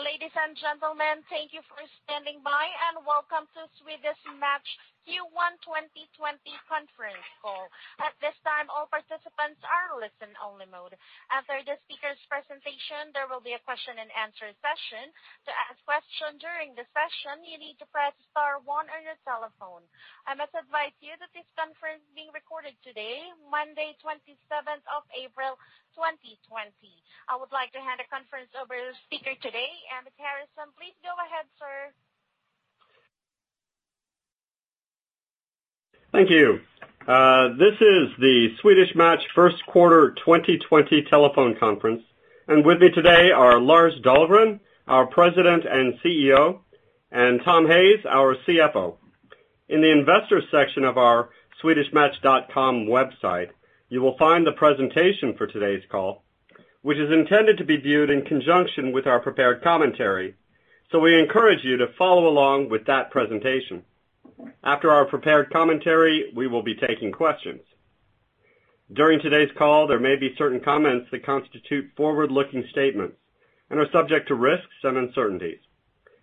Ladies and gentlemen, thank you for standing by, and welcome to Swedish Match Q1 2020 Conference Call. At this time, all participants are in listen only mode. After the speaker's presentation, there will be a question and answer session. To ask a question during the session, you need to press star one on your telephone. I must advise you that this conference is being recorded today, Monday, 27th of April 2020. I would like to hand the conference over to the speaker today, Emmett Harrison. Please go ahead, sir. Thank you. This is the Swedish Match first quarter 2020 telephone conference. With me today are Lars Dahlgren, our President and CEO, and Tom Hayes, our CFO. In the investors section of our swedishmatch.com website, you will find the presentation for today's call, which is intended to be viewed in conjunction with our prepared commentary. We encourage you to follow along with that presentation. After our prepared commentary, we will be taking questions. During today's call, there may be certain comments that constitute forward-looking statements and are subject to risks and uncertainties.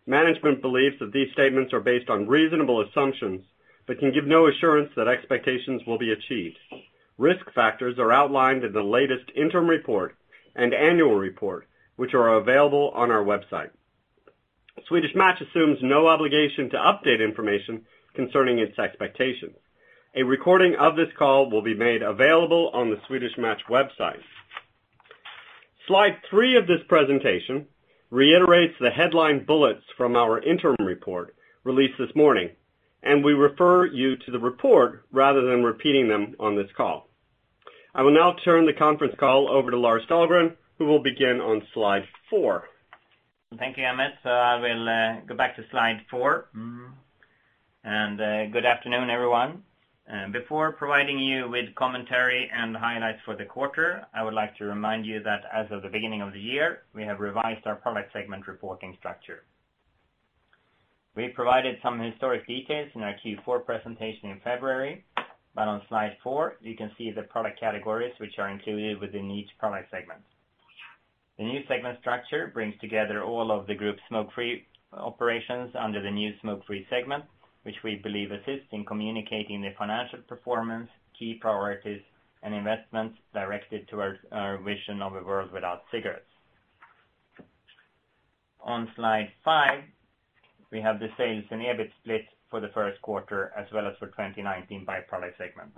Management believes that these statements are based on reasonable assumptions, but can give no assurance that expectations will be achieved. Risk factors are outlined in the latest interim report and annual report, which are available on our website. Swedish Match assumes no obligation to update information concerning its expectations. A recording of this call will be made available on the Swedish Match website. Slide three of this presentation reiterates the headline bullets from our interim report released this morning, and we refer you to the report rather than repeating them on this call. I will now turn the conference call over to Lars Dahlgren, who will begin on slide four. Thank you, Emmett. I will go back to slide four. Good afternoon, everyone. Before providing you with commentary and highlights for the quarter, I would like to remind you that as of the beginning of the year, we have revised our product segment reporting structure. We provided some historic details in our Q4 presentation in February, on slide four, you can see the product categories which are included within each product segment. The new segment structure brings together all of the group smoke-free operations under the new smoke-free segment, which we believe assists in communicating the financial performance, key priorities, and investments directed towards our vision of a world without cigarettes. On slide five, we have the sales and EBIT split for the first quarter as well as for 2019 by product segment.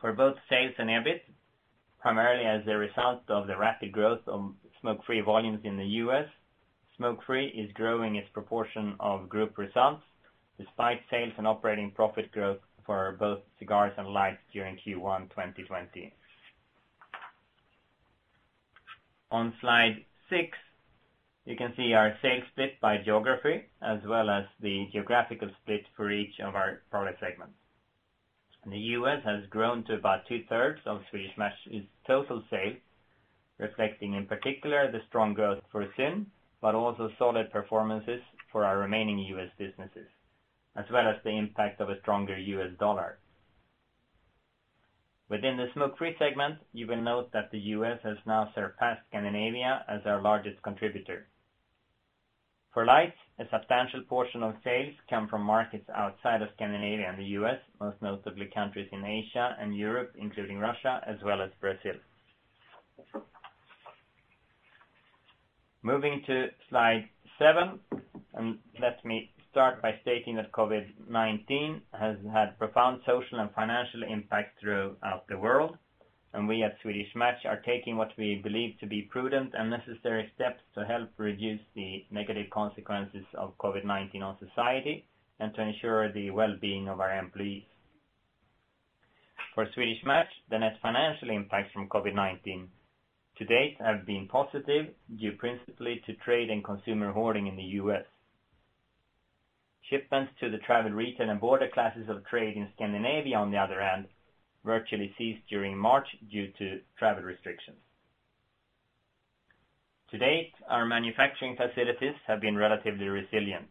For both sales and EBIT, primarily as a result of the rapid growth of smoke-free volumes in the U.S., smoke-free is growing its proportion of group results despite sales and operating profit growth for both cigars and lights during Q1 2020. On slide six, you can see our sales split by geography as well as the geographical split for each of our product segments. The U.S. has grown to about 2/3 of Swedish Match's total sales, reflecting in particular the strong growth for ZYN, but also solid performances for our remaining U.S. businesses, as well as the impact of a stronger U.S. dollar. Within the smoke-free segment, you will note that the U.S. has now surpassed Scandinavia as our largest contributor. For lights, a substantial portion of sales come from markets outside of Scandinavia and the U.S., most notably countries in Asia and Europe, including Russia as well as Brazil. Moving to slide seven, let me start by stating that COVID-19 has had profound social and financial impact throughout the world, and we at Swedish Match are taking what we believe to be prudent and necessary steps to help reduce the negative consequences of COVID-19 on society and to ensure the well-being of our employees. For Swedish Match, the net financial impacts from COVID-19 to date have been positive, due principally to trade and consumer hoarding in the U.S. Shipments to the travel retail and border classes of trade in Scandinavia, on the other hand, virtually ceased during March due to travel restrictions. To date, our manufacturing facilities have been relatively resilient.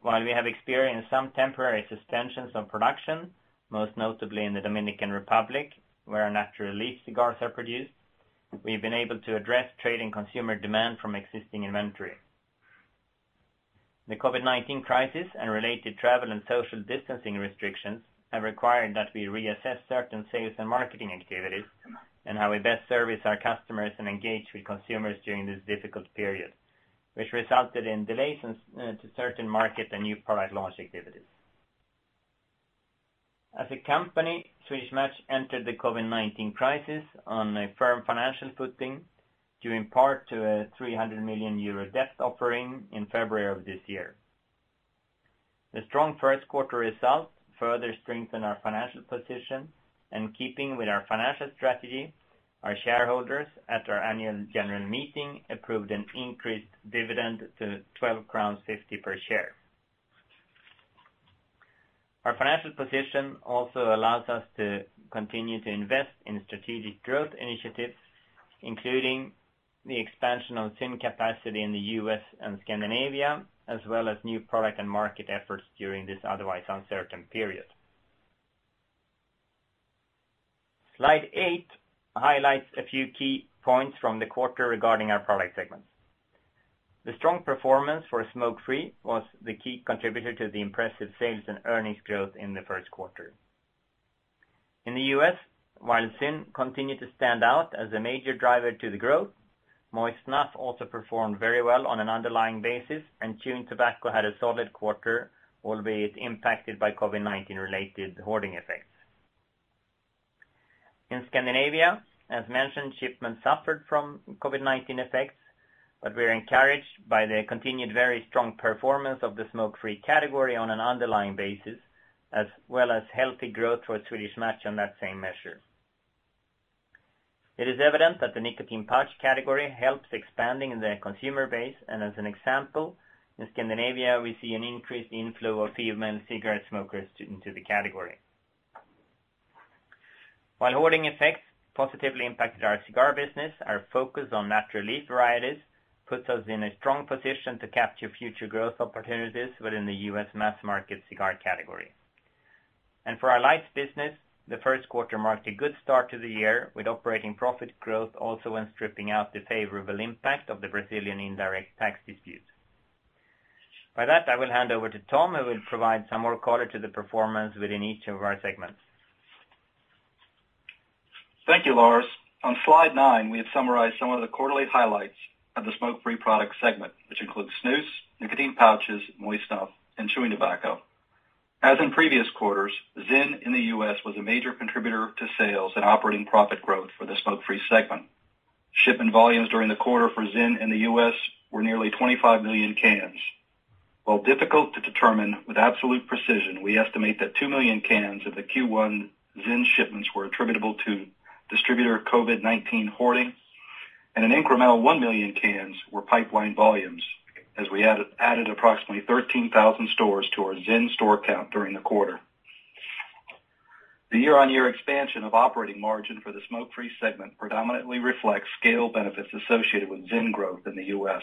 While we have experienced some temporary suspensions of production, most notably in the Dominican Republic, where our natural leaf cigars are produced, we've been able to address trade and consumer demand from existing inventory. The COVID-19 crisis and related travel and social distancing restrictions have required that we reassess certain sales and marketing activities and how we best service our customers and engage with consumers during this difficult period, which resulted in delays to certain market and new product launch activities. As a company, Swedish Match entered the COVID-19 crisis on a firm financial footing, due in part to a €300 million debt offering in February of this year. The strong first quarter results further strengthen our financial position and keeping with our financial strategy, our shareholders at our annual general meeting approved an increased dividend to 12.50 crowns per share. Our financial position also allows us to continue to invest in strategic growth initiatives, including the expansion of ZYN capacity in the U.S. and Scandinavia, as well as new product and market efforts during this otherwise uncertain period. Slide eight highlights a few key points from the quarter regarding our product segments. The strong performance for smoke-free was the key contributor to the impressive sales and earnings growth in the first quarter. In the U.S., while ZYN continued to stand out as a major driver to the growth, moist snuff also performed very well on an underlying basis, and chewing tobacco had a solid quarter, albeit impacted by COVID-19 related hoarding effects. In Scandinavia, as mentioned, shipments suffered from COVID-19 effects, but we're encouraged by the continued very strong performance of the smoke-free category on an underlying basis as well as healthy growth for Swedish Match on that same measure. It is evident that the nicotine pouch category helps expanding the consumer base, and as an example, in Scandinavia, we see an increased inflow of female cigarette smokers into the category. While hoarding effects positively impacted our cigar business, our focus on natural leaf varieties puts us in a strong position to capture future growth opportunities within the U.S. mass market cigar category. For our lights business, the first quarter marked a good start to the year, with operating profit growth also when stripping out the favorable impact of the Brazilian indirect tax dispute. By that, I will hand over to Tom, who will provide some more color to the performance within each of our segments. Thank you, Lars. On slide nine, we have summarized some of the quarterly highlights of the smoke-free product segment, which includes snus, nicotine pouches, moist snuff, and chewing tobacco. As in previous quarters, ZYN in the U.S. was a major contributor to sales and operating profit growth for the smoke-free segment. Shipment volumes during the quarter for ZYN in the U.S. were nearly 25 million cans. While difficult to determine with absolute precision, we estimate that 2 million cans of the Q1 ZYN shipments were attributable to distributor COVID-19 hoarding and an incremental 1 million cans were pipelined volumes as we added approximately 13,000 stores to our ZYN store count during the quarter. The year-on-year expansion of operating margin for the smoke-free segment predominantly reflects scale benefits associated with ZYN growth in the U.S.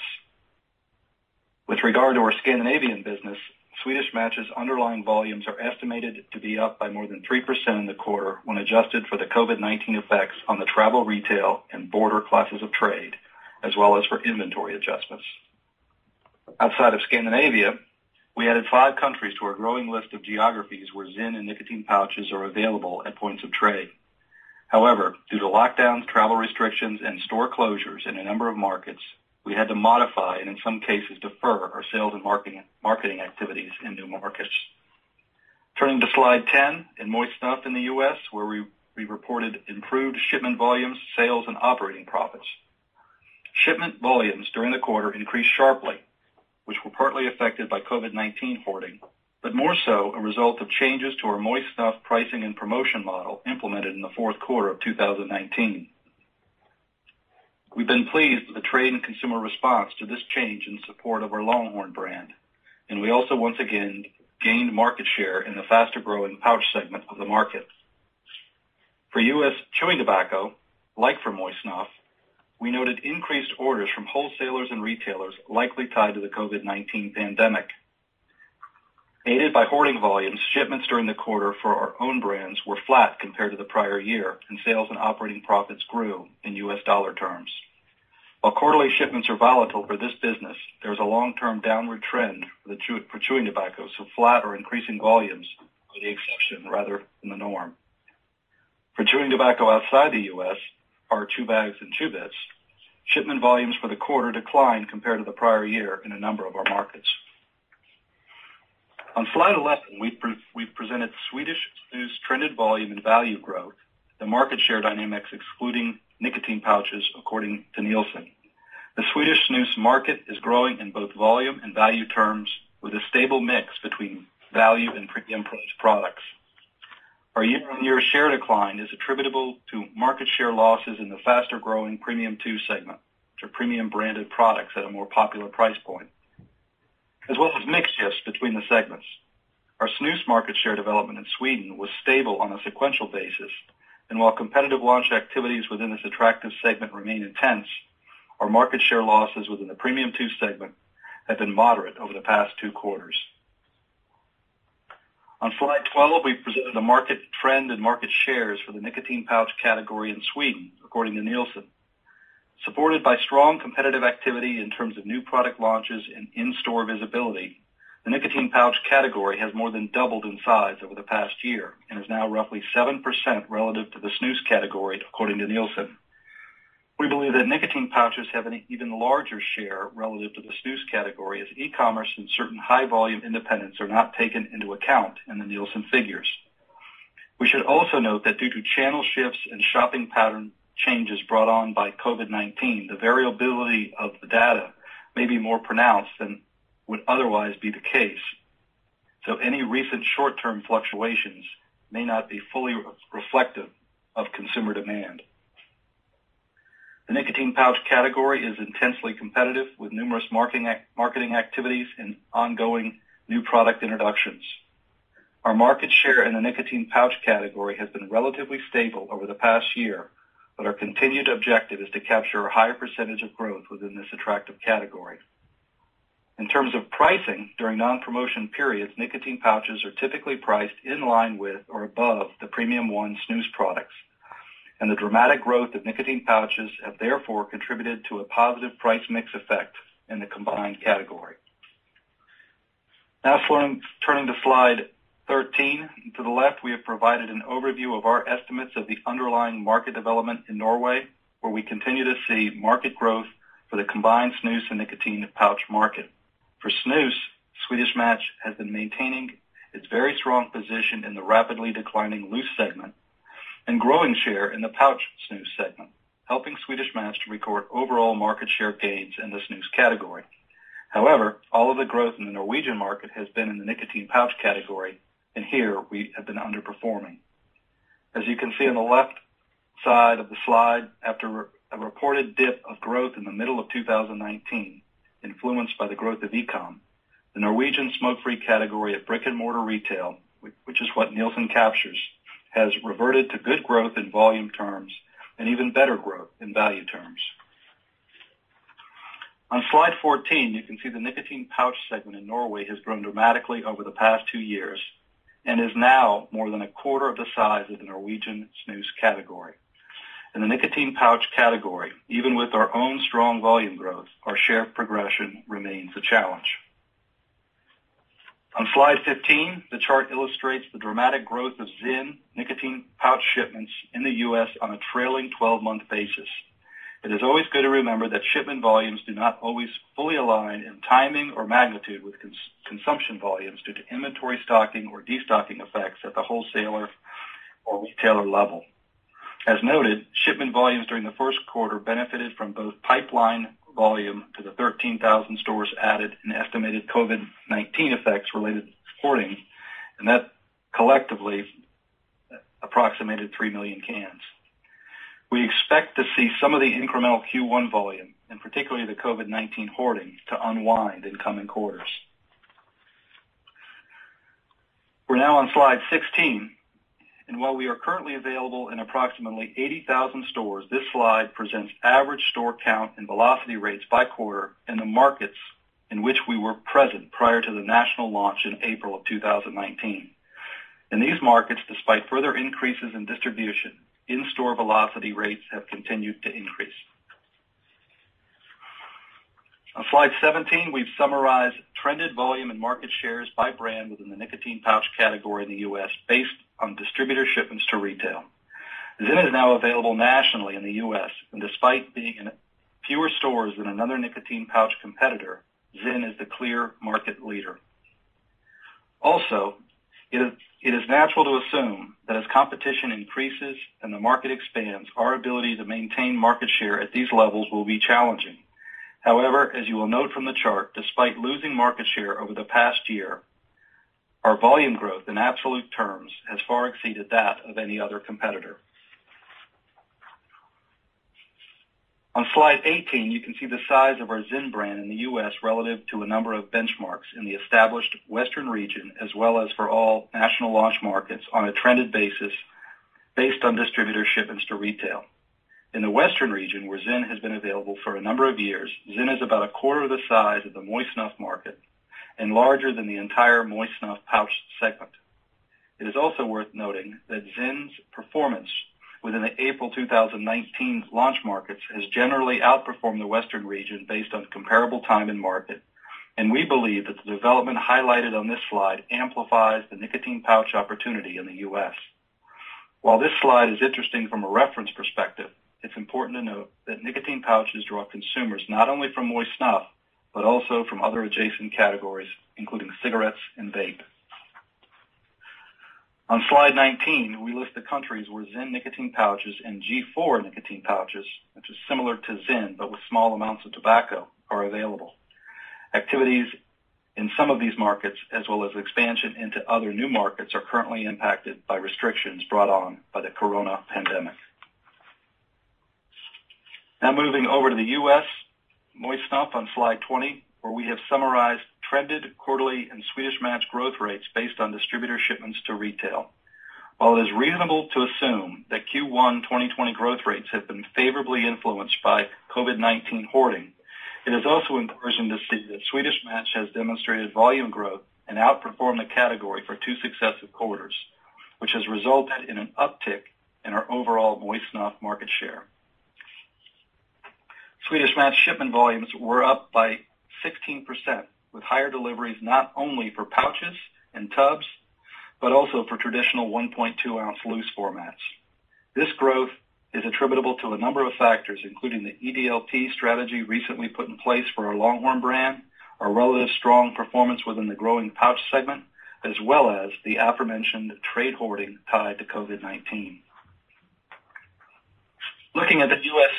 With regard to our Scandinavian business, Swedish Match's underlying volumes are estimated to be up by more than 3% in the quarter when adjusted for the COVID-19 effects on the travel, retail, and border classes of trade, as well as for inventory adjustments. Outside of Scandinavia, we added five countries to our growing list of geographies where ZYN and nicotine pouches are available at points of trade. However, due to lockdowns, travel restrictions, and store closures in a number of markets, we had to modify and in some cases defer our sales and marketing activities in new markets. Turning to slide 10, in moist snuff in the U.S., where we reported improved shipment volumes, sales, and operating profits. Shipment volumes during the quarter increased sharply, which were partly affected by COVID-19 hoarding, but more so a result of changes to our moist snuff pricing and promotion model implemented in the fourth quarter of 2019. We've been pleased with the trade and consumer response to this change in support of our Longhorn brand, and we also once again gained market share in the faster-growing pouch segment of the market. For U.S. chewing tobacco, like for moist snuff, we noted increased orders from wholesalers and retailers likely tied to the COVID-19 pandemic. Aided by hoarding volumes, shipments during the quarter for our own brands were flat compared to the prior year, and sales and operating profits grew in U.S. dollar terms. While quarterly shipments are volatile for this business, there is a long-term downward trend for chewing tobacco, so flat or increasing volumes are the exception rather than the norm. For chewing tobacco outside the U.S., our Chew bags and Chew Bits, shipment volumes for the quarter declined compared to the prior year in a number of our markets. On slide 11, we've presented Swedish snus trended volume and value growth, the market share dynamics excluding nicotine pouches according to Nielsen. The Swedish snus market is growing in both volume and value terms with a stable mix between value and premium products. Our year-on-year share decline is attributable to market share losses in the faster-growing Premium 2 segment to premium branded products at a more popular price point, as well as mix shifts between the segments. Our snus market share development in Sweden was stable on a sequential basis, and while competitive launch activities within this attractive segment remain intense, our market share losses within the Premium 2 segment have been moderate over the past two quarters. On slide 12, we presented a market trend and market shares for the nicotine pouch category in Sweden, according to Nielsen. Supported by strong competitive activity in terms of new product launches and in-store visibility, the nicotine pouch category has more than doubled in size over the past year and is now roughly 7% relative to the snus category, according to Nielsen. We believe that nicotine pouches have an even larger share relative to the snus category as e-commerce and certain high-volume independents are not taken into account in the Nielsen figures. We should also note that due to channel shifts and shopping pattern changes brought on by COVID-19, the variability of the data may be more pronounced than would otherwise be the case. Any recent short-term fluctuations may not be fully reflective of consumer demand. The nicotine pouch category is intensely competitive with numerous marketing activities and ongoing new product introductions. Our market share in the nicotine pouch category has been relatively stable over the past year, but our continued objective is to capture a higher percentage of growth within this attractive category. In terms of pricing during non-promotion periods, nicotine pouches are typically priced in line with or above the Premium one snus products, and the dramatic growth of nicotine pouches have therefore contributed to a positive price mix effect in the combined category. Turning to slide 13. To the left, we have provided an overview of our estimates of the underlying market development in Norway, where we continue to see market growth for the combined snus and nicotine pouch market. For snus, Swedish Match has been maintaining its very strong position in the rapidly declining loose segment and growing share in the pouch snus segment, helping Swedish Match to record overall market share gains in the snus category. All of the growth in the Norwegian market has been in the nicotine pouch category, and here we have been underperforming. As you can see on the left side of the slide, after a reported dip of growth in the middle of 2019, influenced by the growth of e-com, the Norwegian smoke-free category of brick-and-mortar retail, which is what Nielsen captures, has reverted to good growth in volume terms and even better growth in value terms. On slide 14, you can see the nicotine pouch segment in Norway has grown dramatically over the past two years and is now more than a 1/4 of the size of the Norwegian snus category. In the nicotine pouch category, even with our own strong volume growth, our share progression remains a challenge. On slide 15, the chart illustrates the dramatic growth of ZYN nicotine pouch shipments in the U.S. on a trailing 12-month basis. It is always good to remember that shipment volumes do not always fully align in timing or magnitude with consumption volumes due to inventory stocking or de-stocking effects at the wholesaler or retailer level. As noted, shipment volumes during the first quarter benefited from both pipeline volume to the 13,000 stores added and estimated COVID-19 effects related to hoarding, and that collectively approximated 3 million cans. We expect to see some of the incremental Q1 volume, and particularly the COVID-19 hoarding, to unwind in coming quarters. We're now on slide 16. While we are currently available in approximately 80,000 stores, this slide presents average store count and velocity rates by quarter in the markets in which we were present prior to the national launch in April of 2019. In these markets, despite further increases in distribution, in-store velocity rates have continued to increase. On slide 17, we've summarized trended volume and market shares by brand within the nicotine pouch category in the U.S. based on distributor shipments to retail. ZYN is now available nationally in the U.S. Despite being in fewer stores than another nicotine pouch competitor, ZYN is the clear market leader. It is natural to assume that as competition increases and the market expands, our ability to maintain market share at these levels will be challenging. However, as you will note from the chart, despite losing market share over the past year, our volume growth in absolute terms has far exceeded that of any other competitor. On slide 18, you can see the size of our ZYN brand in the U.S. relative to a number of benchmarks in the established Western region, as well as for all national launch markets on a trended basis based on distributor shipments to retail. In the Western region, where ZYN has been available for a number of years, ZYN is about a 1/4 of the size of the moist snuff market and larger than the entire moist snuff pouch segment. It is also worth noting that ZYN's performance within the April 2019 launch markets has generally outperformed the Western region based on comparable time in market, and we believe that the development highlighted on this slide amplifies the nicotine pouch opportunity in the U.S. While this slide is interesting from a reference perspective, it is important to note that nicotine pouches draw consumers not only from moist snuff, but also from other adjacent categories, including cigarettes and vape. On slide 19, we list the countries where ZYN nicotine pouches and G.4 nicotine pouches, which is similar to ZYN, but with small amounts of tobacco, are available. Activities in some of these markets, as well as expansion into other new markets, are currently impacted by restrictions brought on by the corona pandemic. Moving over to the U.S. moist snuff on slide 20, where we have summarized trended quarterly and Swedish Match growth rates based on distributor shipments to retail. While it is reasonable to assume that Q1 2020 growth rates have been favorably influenced by COVID-19 hoarding, it is also encouraging to see that Swedish Match has demonstrated volume growth and outperformed the category for two successive quarters, which has resulted in an uptick in our overall moist snuff market share. Swedish Match shipment volumes were up by 16%, with higher deliveries not only for pouches and tubs, but also for traditional 1.2 ounce loose formats. This growth is attributable to a number of factors, including the EDLP strategy recently put in place for our Longhorn brand, our relative strong performance within the growing pouch segment, as well as the aforementioned trade hoarding tied to COVID-19. Looking at the U.S.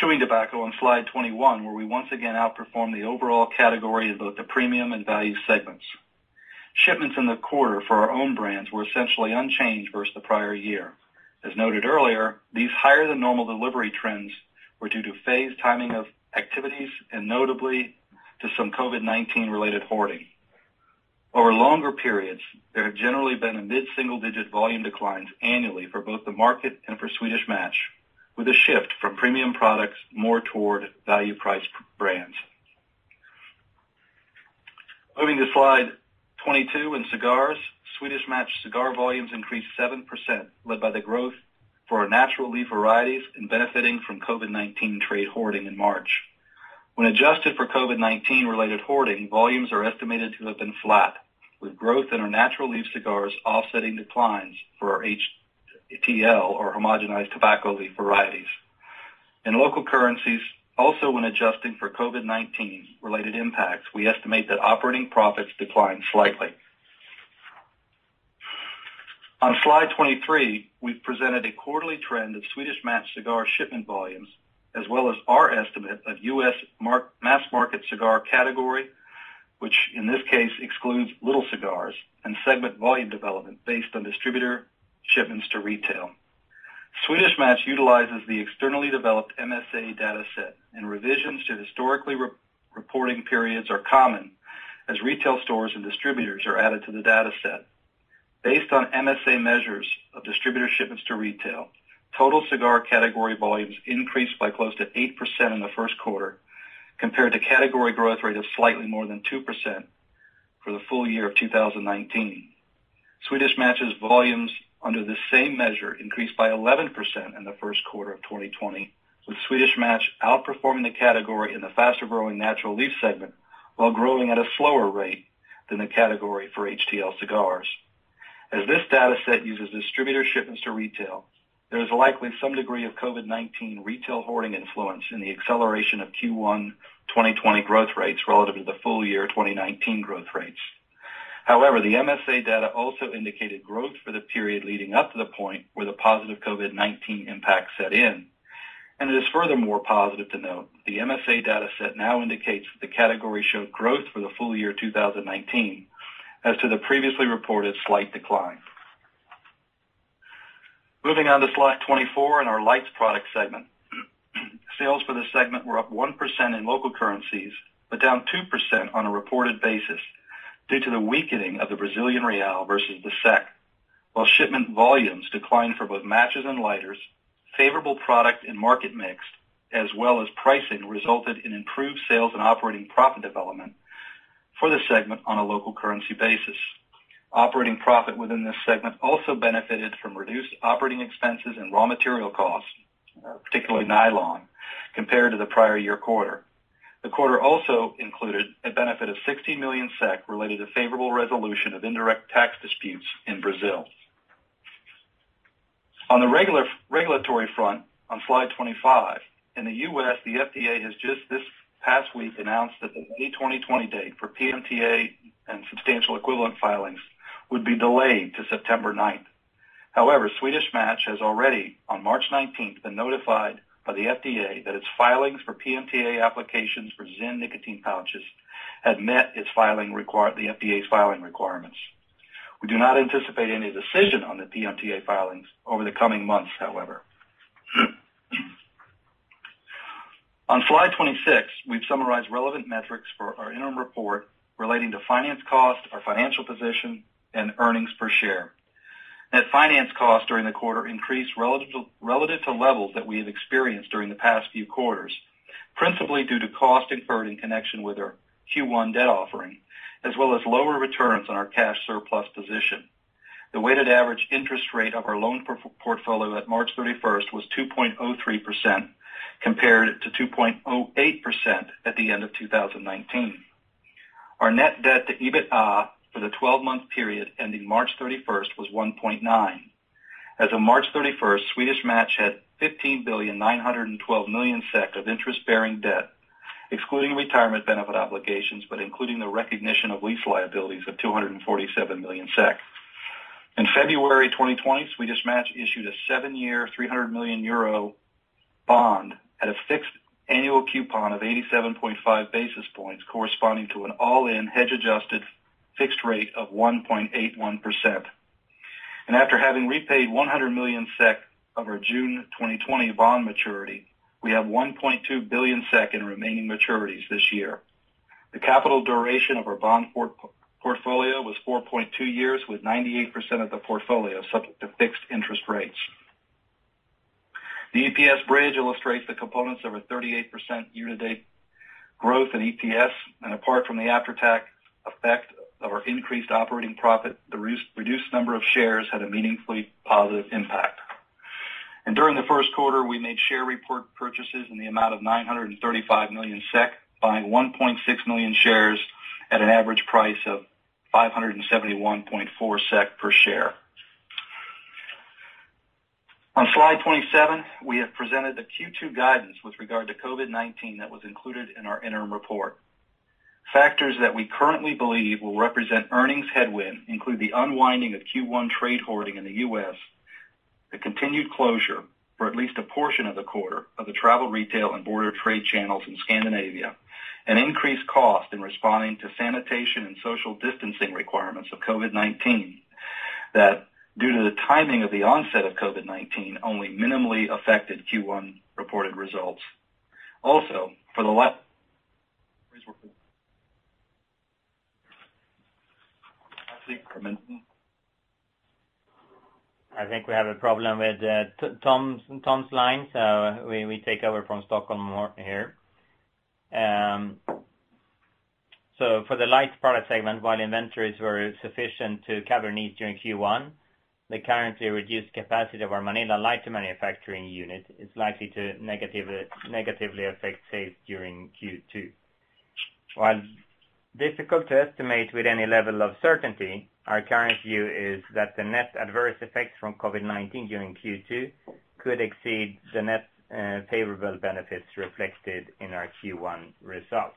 chewing tobacco on slide 21, where we once again outperformed the overall category of both the premium and value segments. Shipments in the quarter for our own brands were essentially unchanged versus the prior year. As noted earlier, these higher-than-normal delivery trends were due to phased timing of activities and notably to some COVID-19-related hoarding. Over longer periods, there have generally been a mid-single-digit volume declines annually for both the market and for Swedish Match, with a shift from premium products more toward value price brands. Moving to Slide 22, in cigars, Swedish Match cigar volumes increased 7%, led by the growth for our natural leaf varieties and benefiting from COVID-19 trade hoarding in March. When adjusted for COVID-19 related hoarding, volumes are estimated to have been flat, with growth in our natural leaf cigars offsetting declines for our HTL or homogenized tobacco leaf varieties. In local currencies, also when adjusting for COVID-19 related impacts, we estimate that operating profits declined slightly. On Slide 23, we've presented a quarterly trend of Swedish Match cigar shipment volumes, as well as our estimate of U.S. mass market cigar category, which, in this case, excludes little cigars and segment volume development based on distributor shipments to retail. Swedish Match utilizes the externally developed MSA data set. Revisions to historically reporting periods are common as retail stores and distributors are added to the data set. Based on MSA measures of distributor shipments to retail, total cigar category volumes increased by close to 8% in the first quarter compared to category growth rate of slightly more than 2% for the full year of 2019. Swedish Match's volumes under the same measure increased by 11% in the first quarter of 2020, with Swedish Match outperforming the category in the faster-growing natural leaf segment, while growing at a slower rate than the category for HTL cigars. As this data set uses distributor shipments to retail, there is likely some degree of COVID-19 retail hoarding influence in the acceleration of Q1 2020 growth rates relative to the full year 2019 growth rates. However, the MSA data also indicated growth for the period leading up to the point where the positive COVID-19 impact set in, and it is furthermore positive to note the MSA data set now indicates that the category showed growth for the full year 2019 as to the previously reported slight decline. Moving on to Slide 24 in our lights product segment. Sales for this segment were up 1% in local currencies, but down 2% on a reported basis due to the weakening of the Brazilian real versus the SEK. While shipment volumes declined for both matches and lighters, favorable product and market mix, as well as pricing, resulted in improved sales and operating profit development for the segment on a local currency basis. Operating profit within this segment also benefited from reduced operating expenses and raw material costs, particularly nylon, compared to the prior year quarter. The quarter also included a benefit of 60 million SEK related to favorable resolution of indirect tax disputes in Brazil. On the regulatory front, on Slide 25, in the U.S., the FDA has just this past week announced that the May 2020 date for PMTA and substantial equivalence filings would be delayed to September 9th. Swedish Match has already, on March 19th, been notified by the FDA that its filings for PMTA applications for ZYN nicotine pouches had met the FDA's filing requirements. We do not anticipate any decision on the PMTA filings over the coming months, however. On Slide 26, we've summarized relevant metrics for our interim report relating to finance cost, our financial position, and earnings per share. Net finance cost during the quarter increased relative to levels that we have experienced during the past few quarters, principally due to costs incurred in connection with our Q1 debt offering, as well as lower returns on our cash surplus position. The weighted average interest rate of our loan portfolio at March 31st was 2.03%, compared to 2.08% at the end of 2019. Our net debt to EBITDA for the 12-month period ending March 31st was 1.9%. As of March 31st, Swedish Match had 15,912,000,000 SEK of interest-bearing debt, excluding retirement benefit obligations, but including the recognition of lease liabilities of 247 million SEK. In February 2020, Swedish Match issued a seven-year, 300 million euro bond at a fixed annual coupon of 87.5 basis points, corresponding to an all-in hedge-adjusted fixed rate of 1.81%. After having repaid 100 million SEK of our June 2020 bond maturity, we have 1.2 billion SEK in remaining maturities this year. The capital duration of our bond portfolio was 4.2 years, with 98% of the portfolio subject to fixed interest rates. The EPS bridge illustrates the components of a 38% year-to-date growth in EPS, and apart from the after-tax effect of our increased operating profit, the reduced number of shares had a meaningfully positive impact. During the first quarter, we made share purchases in the amount of 935 million SEK, buying 1.6 million shares at an average price of 571.4 SEK per share. On Slide 27, we have presented the Q2 guidance with regard to COVID-19 that was included in our interim report. Factors that we currently believe will represent earnings headwind include the unwinding of Q1 trade hoarding in the U.S., the continued closure for at least a portion of the quarter of the travel retail and border trade channels in Scandinavia, and increased cost in responding to sanitation and social distancing requirements of COVID-19. That due to the timing of the onset of COVID-19, only minimally affected Q1 reported results. Also, for the last... I think we have a problem with Tom's line, we take over from Stockholm more here. For the lights product segment, while inventories were sufficient to cover needs during Q1, the currently reduced capacity of our Manila lighter manufacturing unit is likely to negatively affect sales during Q2. While difficult to estimate with any level of certainty, our current view is that the net adverse effects from COVID-19 during Q2 could exceed the net favorable benefits reflected in our Q1 results.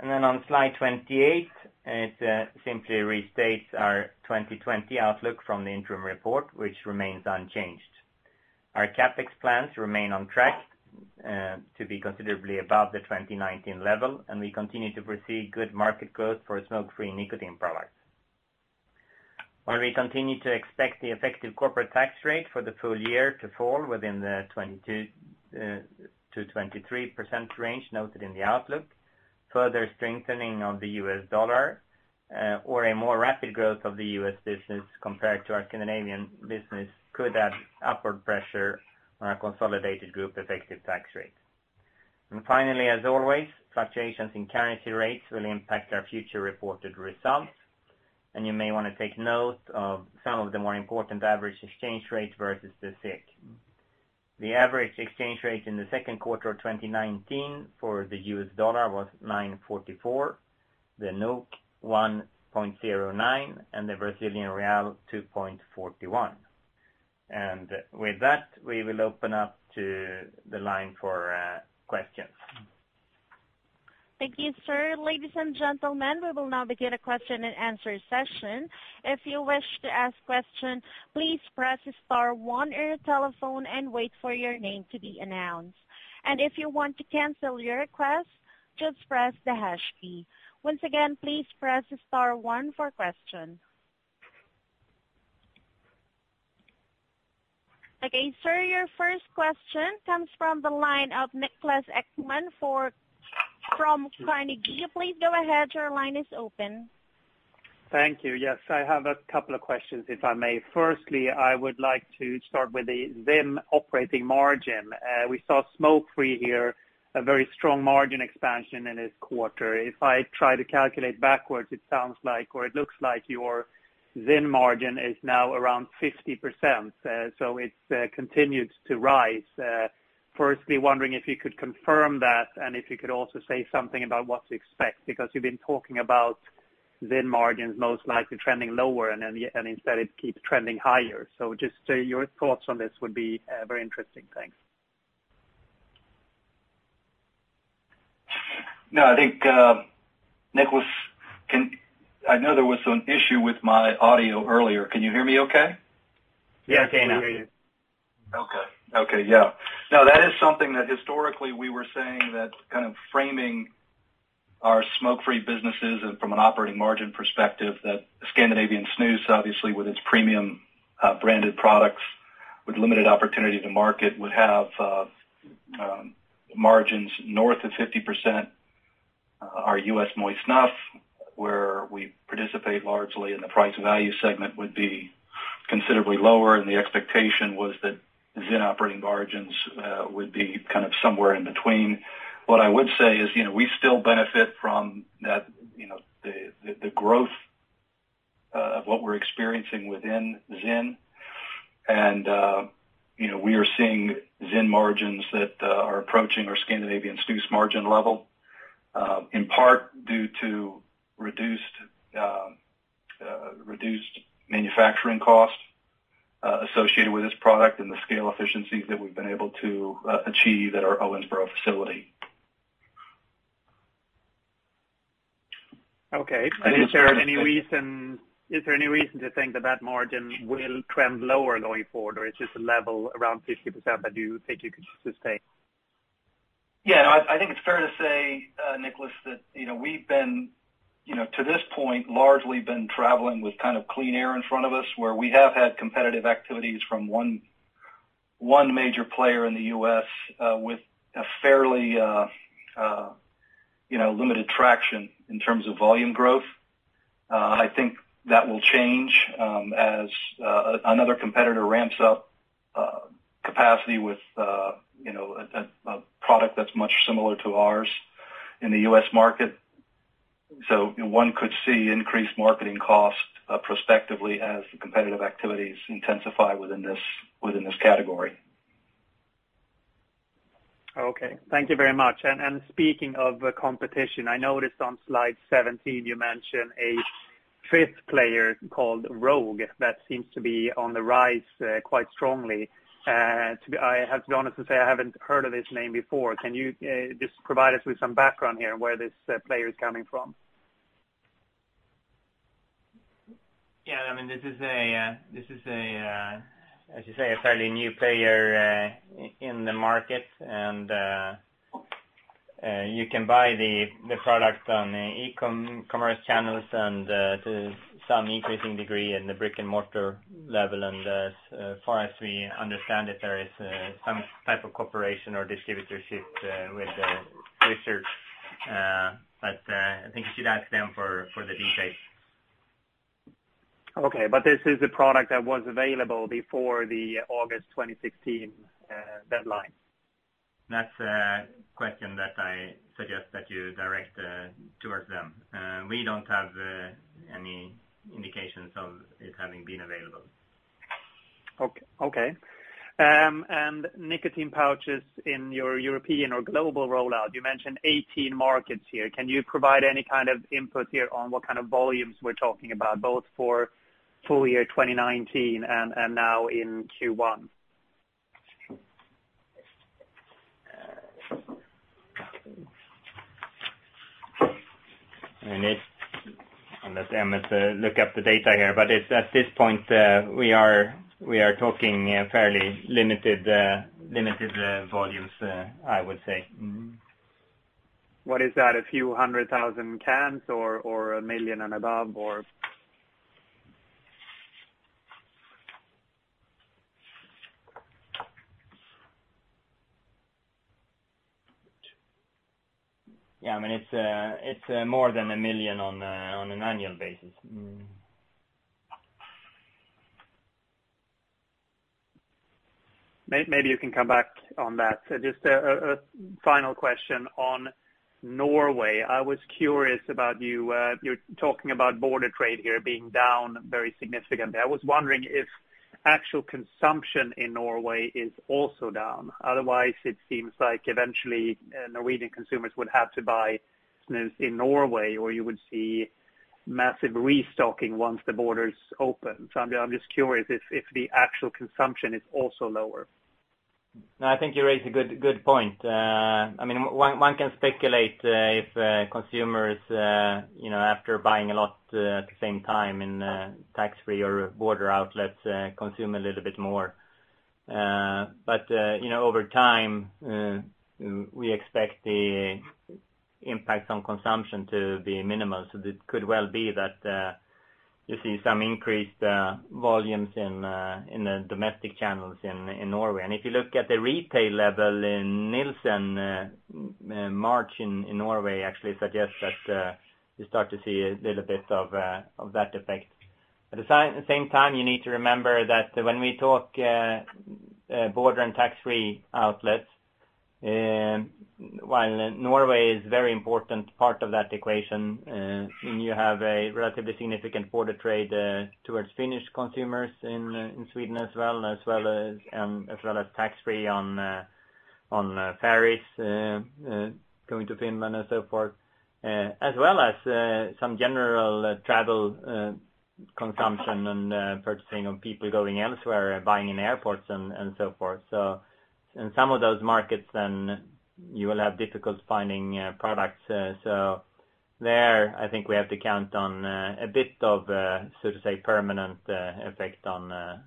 On slide 28, it simply restates our 2020 outlook from the interim report, which remains unchanged. Our CapEx plans remain on track, to be considerably above the 2019 level, and we continue to foresee good market growth for smoke-free nicotine products. While we continue to expect the effective corporate tax rate for the full year to fall within the 22% to 23% range noted in the outlook, further strengthening of the U.S. dollar or a more rapid growth of the U.S. business compared to our Scandinavian business could add upward pressure on our consolidated group effective tax rate. Finally, as always, fluctuations in currency rates will impact our future reported results, and you may want to take note of some of the more important average exchange rates versus the SEK. The average exchange rate in the second quarter of 2019 for the US dollar was $9.44, the 1.09, and the 2.41. With that, we will open up to the line for questions. Thank you, sir. Ladies and gentlemen, we will now begin a question and answer session. If you wish to ask question, please press star one on your telephone and wait for your name to be announced. If you want to cancel your request, just press the hash key. Once again, please press star one for question. Okay, sir, your first question comes from the line of Niklas Ekman from Carnegie. Could you please go ahead? Your line is open. Thank you. Yes, I have a couple of questions, if I may. Firstly, I would like to start with the ZYN operating margin. We saw smoke-free here, a very strong margin expansion in this quarter. If I try to calculate backwards, it sounds like or it looks like your ZYN margin is now around 50%, so it's continued to rise. Firstly, wondering if you could confirm that and if you could also say something about what to expect, because you've been talking about ZYN margins most likely trending lower and instead it keeps trending higher. Just your thoughts on this would be very interesting. Thanks. No, I think, Niklas, I know there was an issue with my audio earlier. Can you hear me okay? Yes, I can hear you. Okay. Yeah. No, that is something that historically we were saying that kind of framing our smoke-free businesses and from an operating margin perspective, that Scandinavian snus, obviously with its premium branded products with limited opportunity to market, would have margins north of 50%. Our U.S. moist snuff, where we participate largely in the price value segment, would be considerably lower, and the expectation was that ZYN operating margins would be kind of somewhere in between. What I would say is we still benefit from the growth of what we're experiencing within ZYN. We are seeing ZYN margins that are approaching our Scandinavian snus margin level, in part due to reduced manufacturing cost associated with this product and the scale efficiencies that we've been able to achieve at our Owensboro facility. Okay. Is there any reason to think that that margin will trend lower going forward, or it's just a level around 50% that you think you could sustain? Yeah. I think it's fair to say, Niklas, that we've been, to this point, largely been traveling with clean air in front of us, where we have had competitive activities from one major player in the U.S. with a fairly limited traction in terms of volume growth. I think that will change as another competitor ramps up capacity with a product that's much similar to ours in the U.S. market. One could see increased marketing costs prospectively as the competitive activities intensify within this category. Okay. Thank you very much. Speaking of competition, I noticed on slide 17, you mentioned a fifth player called Rogue that seems to be on the rise quite strongly. To be honest, I haven't heard of this name before. Can you just provide us with some background here where this player is coming from? Yeah. This is a, as you say, a fairly new player in the market. You can buy the product on e-commerce channels and to some increasing degree in the brick-and-mortar level. As far as we understand it, there is some type of cooperation or distributorship with research, but I think you should ask them for the details. Okay. This is a product that was available before the August 2016 deadline? That's a question that I suggest that you direct towards them. We don't have any indications of it having been available. Okay. Nicotine pouches in your European or global rollout, you mentioned 18 markets here. Can you provide any kind of input here on what kind of volumes we're talking about, both for full year 2019 and now in Q1? I'll let Emmett look up the data here, but at this point, we are talking fairly limited volumes, I would say. What is that? A few 100,000 cans or 1 million and above or? Yeah. It's more than 1 million on an annual basis. Maybe you can come back on that. Just a final question on Norway. I was curious about you're talking about border trade here being down very significantly. I was wondering if actual consumption in Norway is also down. Otherwise, it seems like eventually Norwegian consumers would have to buy snus in Norway, or you would see massive restocking once the borders open. I'm just curious if the actual consumption is also lower. I think you raise a good point. One can speculate if consumers, after buying a lot at the same time in tax-free or border outlets, consume a little bit more. Over time, we expect the impact on consumption to be minimal. It could well be that you see some increased volumes in the domestic channels in Norway. If you look at the retail level in Nielsen, March in Norway actually suggests that you start to see a little bit of that effect. At the same time, you need to remember that when we talk border and tax-free outlets, while Norway is a very important part of that equation, you have a relatively significant border trade towards Finnish consumers in Sweden as well, as well as tax-free on ferries going to Finland and so forth, as well as some general travel consumption and purchasing of people going elsewhere, buying in airports and so forth. In some of those markets then, you will have difficulties finding products. There, I think we have to count on a bit of, so to say, permanent effect, or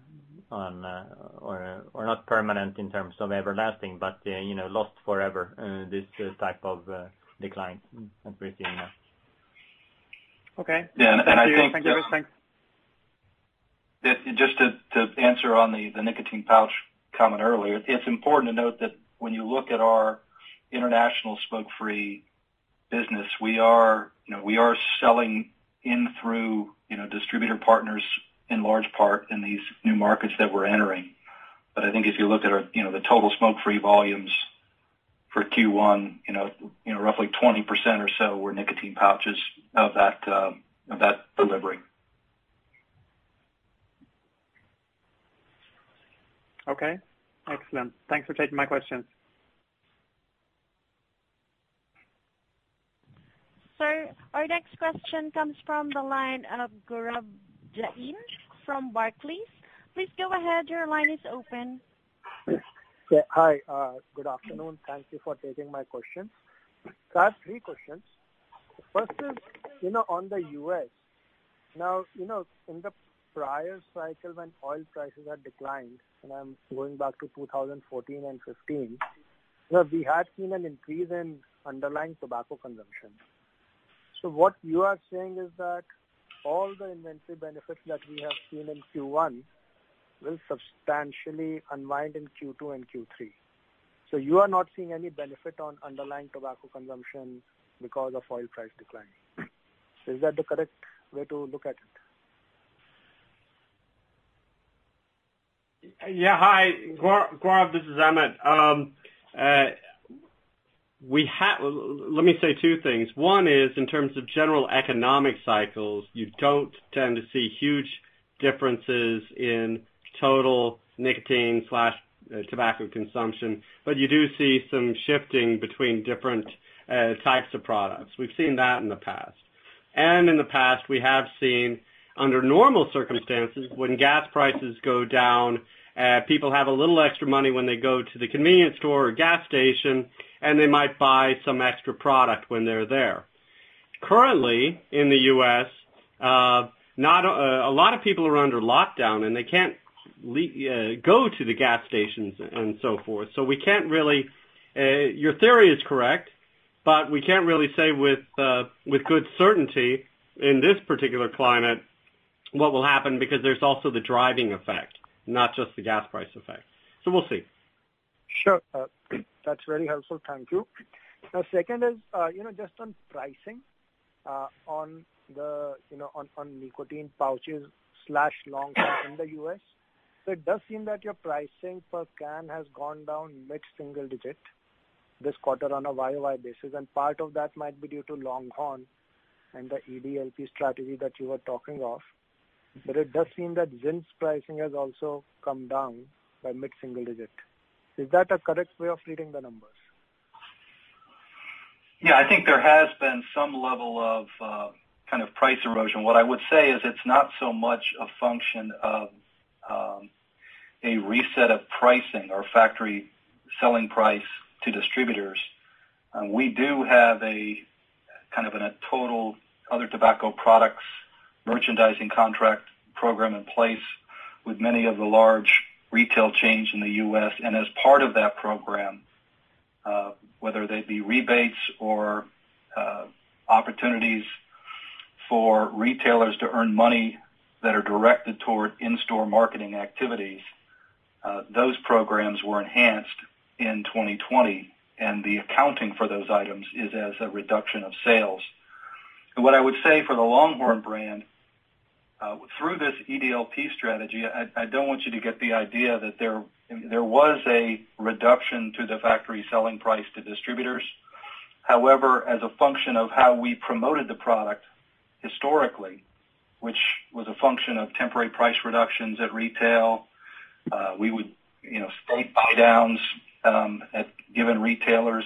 not permanent in terms of everlasting, but lost forever this type of decline that we're seeing now. Okay. Yeah. I think... Thank you. Thanks... Just to answer on the nicotine pouch comment earlier, it's important to note that when you look at our international smoke-free business, we are selling in through distributor partners in large part in these new markets that we're entering. I think if you look at the total smoke-free volumes for Q1, roughly 20% or so were nicotine pouches of that delivery. Okay. Excellent. Thanks for taking my questions. Sir, our next question comes from the line of Gaurav Jain from Barclays. Please go ahead. Your line is open. Hi, good afternoon. Thank you for taking my question. I have three questions. The first is, on the U.S. In the prior cycle when oil prices had declined, and I'm going back to 2014 and 2015, we had seen an increase in underlying tobacco consumption. What you are saying is that all the inventory benefits that we have seen in Q1 will substantially unwind in Q2 and Q3. You are not seeing any benefit on underlying tobacco consumption because of oil price decline. Is that the correct way to look at it? Hi, Gaurav, this is Emmett. Let me say two things. One is in terms of general economic cycles, you don't tend to see huge differences in total nicotine/tobacco consumption, you do see some shifting between different types of products. We've seen that in the past. In the past, we have seen under normal circumstances, when gas prices go down, people have a little extra money when they go to the convenience store or gas station, and they might buy some extra product when they're there. Currently in the U.S., a lot of people are under lockdown, and they can't go to the gas stations and so forth. Your theory is correct, but we can't really say with good certainty in this particular climate what will happen, because there's also the driving effect, not just the gas price effect. We'll see. Sure. That's very helpful. Thank you. Second is, just on pricing on nicotine pouches/Longhorn in the U.S. It does seem that your pricing per can has gone down mid-single digit this quarter on a Y-O-Y basis, and part of that might be due to Longhorn and the EDLP strategy that you were talking of. It does seem that ZYN's pricing has also come down by mid-single digit. Is that a correct way of reading the numbers? Yeah, I think there has been some level of price erosion. What I would say is it's not so much a function of a reset of pricing or factory selling price to distributors. We do have a total other tobacco products merchandising contract program in place with many of the large retail chains in the U.S. As part of that program, whether they be rebates or opportunities for retailers to earn money that are directed toward in-store marketing activities, those programs were enhanced in 2020. The accounting for those items is as a reduction of sales. What I would say for the Longhorn brand, through this EDLP strategy, I don't want you to get the idea that there was a reduction to the factory selling price to distributors. However, as a function of how we promoted the product historically, which was a function of temporary price reductions at retail, we would state buy-downs at given retailers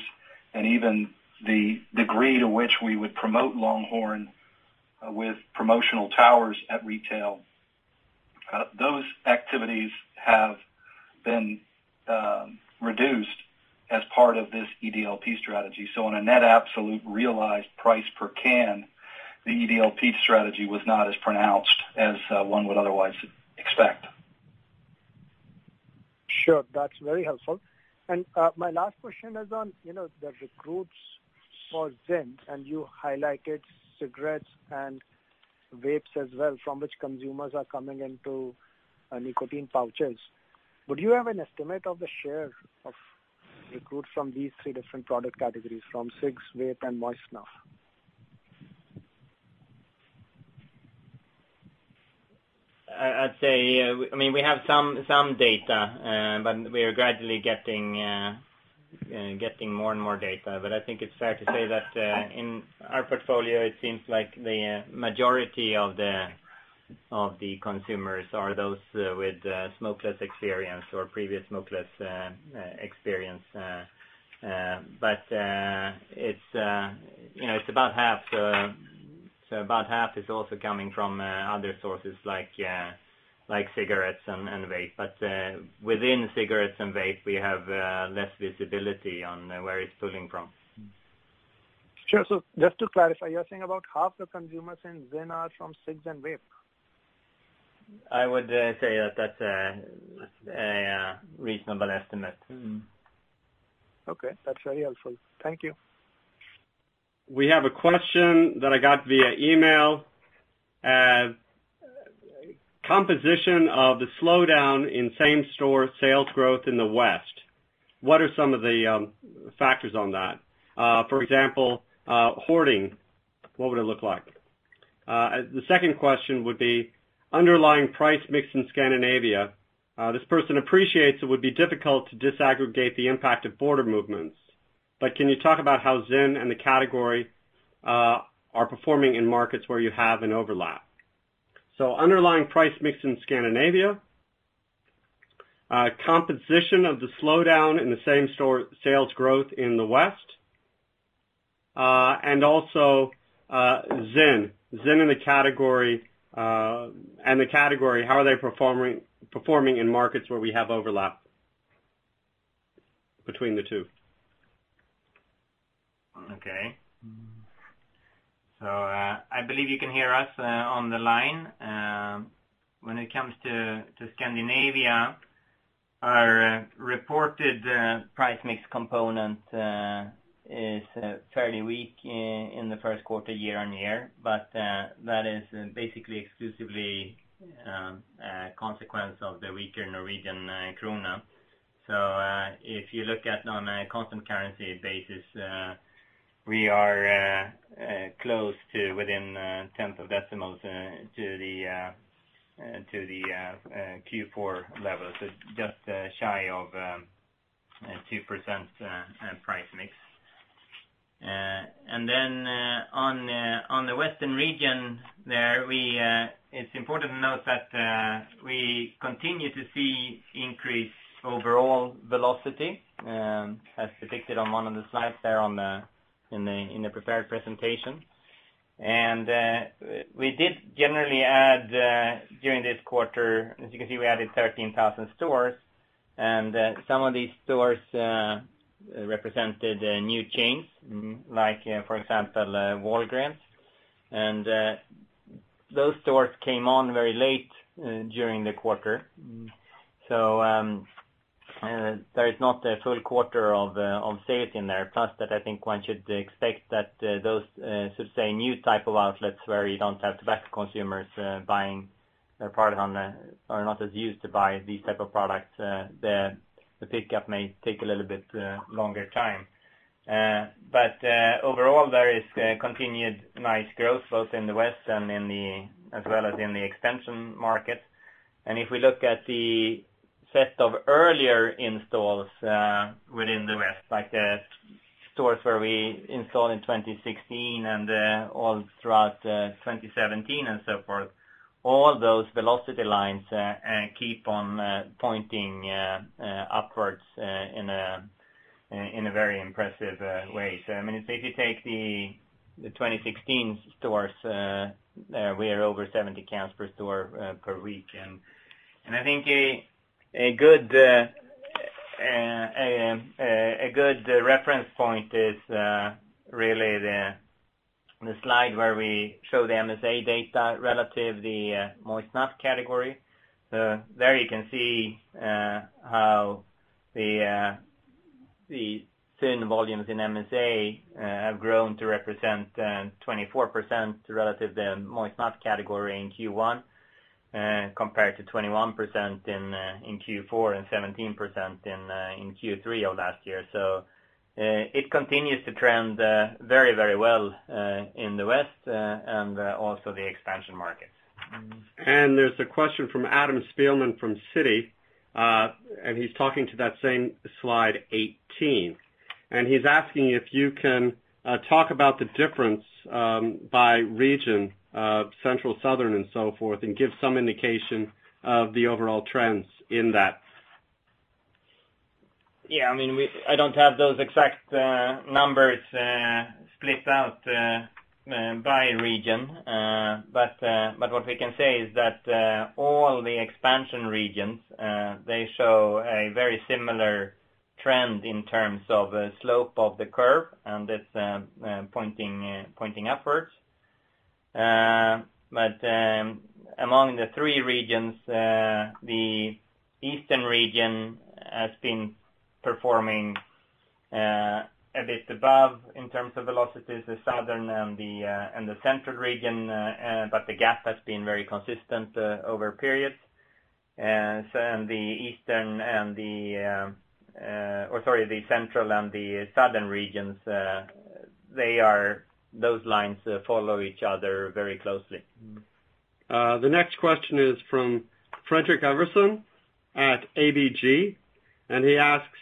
and even the degree to which we would promote Longhorn with promotional towers at retail. Those activities have been reduced as part of this EDLP strategy. On a net absolute realized price per can, the EDLP strategy was not as pronounced as one would otherwise expect. Sure. That's very helpful. My last question is on the recruits for ZYN, and you highlighted cigarettes and vapes as well from which consumers are coming into nicotine pouches. Would you have an estimate of the share of recruits from these three different product categories, from cigs, vape, and moist snuff? I'd say, we have some data. We are gradually getting more and more data. I think it's fair to say that in our portfolio, it seems like the majority of the consumers are those with smokeless experience or previous smokeless experience. It's about 1/2. About 1/2 is also coming from other sources like cigarettes and vape. Within cigarettes and vape, we have less visibility on where it's pulling from. Sure. Just to clarify, you're saying about 1/2 the consumers in ZYN are from cigs and vape? I would say that's a reasonable estimate. Okay, that's very helpful. Thank you. We have a question that I got via email. Composition of the slowdown in same-store sales growth in the West, what are some of the factors on that? For example, hoarding, what would it look like? The second question would be underlying price mix in Scandinavia. Can you talk about how ZYN and the category are performing in markets where you have an overlap? Underlying price mix in Scandinavia, composition of the slowdown in the same-store sales growth in the West, and also ZYN and the category, how are they performing in markets where we have overlap between the two? Okay. I believe you can hear us on the line. When it comes to Scandinavia, our reported price mix component is fairly weak in the first quarter year-on-year. That is basically exclusively a consequence of the weaker NOK. If you look at on a constant currency basis, we are close to within tenth of decimals to the Q4 level, just shy of 2% price mix. On the Western region there, it's important to note that we continue to see increased overall velocity, as depicted on one of the slides there in the prepared presentation. We did generally add during this quarter, as you can see, we added 13,000 stores. Some of these stores represented new chains like, for example, Walgreens. Those stores came on very late during the quarter. There is not a full quarter of sales in there. I think one should expect that those, so to say, new type of outlets where you don't have tobacco consumers buying their product are not as used to buying these type of products, the pickup may take a little bit longer time. Overall, there is continued nice growth both in the West as well as in the expansion market. If we look at the set of earlier installs within the West, like the stores where we installed in 2016 and all throughout 2017 and so forth, all those velocity lines keep on pointing upwards in a very impressive way. If you take the 2016 stores, we are over 70 cans per store, per week. I think a good reference point is really the slide where we show the MSA data relative the moist snuff category. There you can see how the ZYN volumes in MSA have grown to represent 24% relative the moist snuff category in Q1, compared to 21% in Q4 and 17% in Q3 of last year. It continues to trend very well in the West and also the expansion markets. There's a question from Adam Spielman from Citi. He's talking to that same Slide 18. He's asking if you can talk about the difference by region, Central, Southern, and so forth, and give some indication of the overall trends in that. Yeah. I don't have those exact numbers split out by region. What we can say is that all the expansion regions, they show a very similar trend in terms of slope of the curve, and it's pointing upwards. Among the three regions, the Eastern Region has been performing a bit above in terms of velocities, the Southern and the Central Region, but the gap has been very consistent over periods. The Central and the Southern Regions, those lines follow each other very closely. The next question is from Fredrik Ivarsson at ABG. He asks,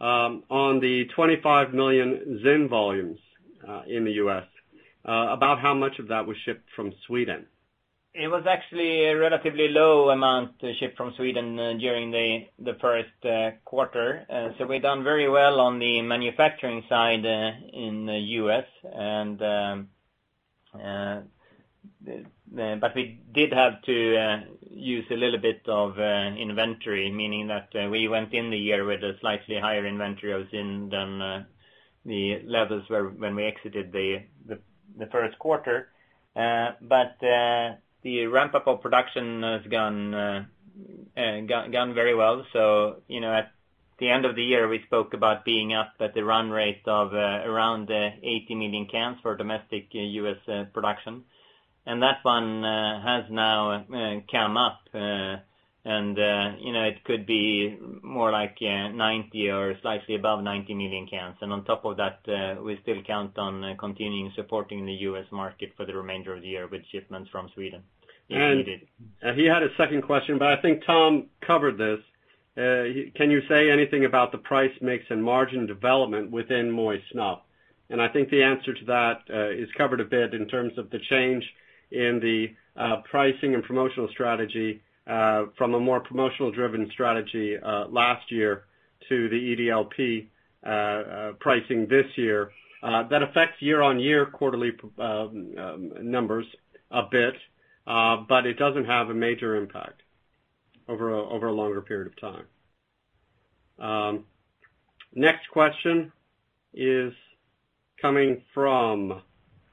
on the 25 million ZYN volumes in the U.S., about how much of that was shipped from Sweden? It was actually a relatively low amount shipped from Sweden during the first quarter. We've done very well on the manufacturing side in the U.S. We did have to use a little bit of inventory, meaning that we went in the year with a slightly higher inventory of ZYN than the levels when we exited the first quarter. The ramp-up of production has gone very well. At the end of the year, we spoke about being up at the run rate of around 80 million cans for domestic U.S. production. That one has now come up and it could be more like 90 or slightly above 90 million cans. On top of that, we still count on continuing supporting the U.S. market for the remainder of the year with shipments from Sweden if needed. He had a second question, but I think Tom covered this. Can you say anything about the price mix and margin development within moist snuff? I think the answer to that is covered a bit in terms of the change in the pricing and promotional strategy from a more promotional-driven strategy last year to the EDLP pricing this year. That affects year-on-year quarterly numbers a bit, but it doesn't have a major impact over a longer period of time. Next question is coming from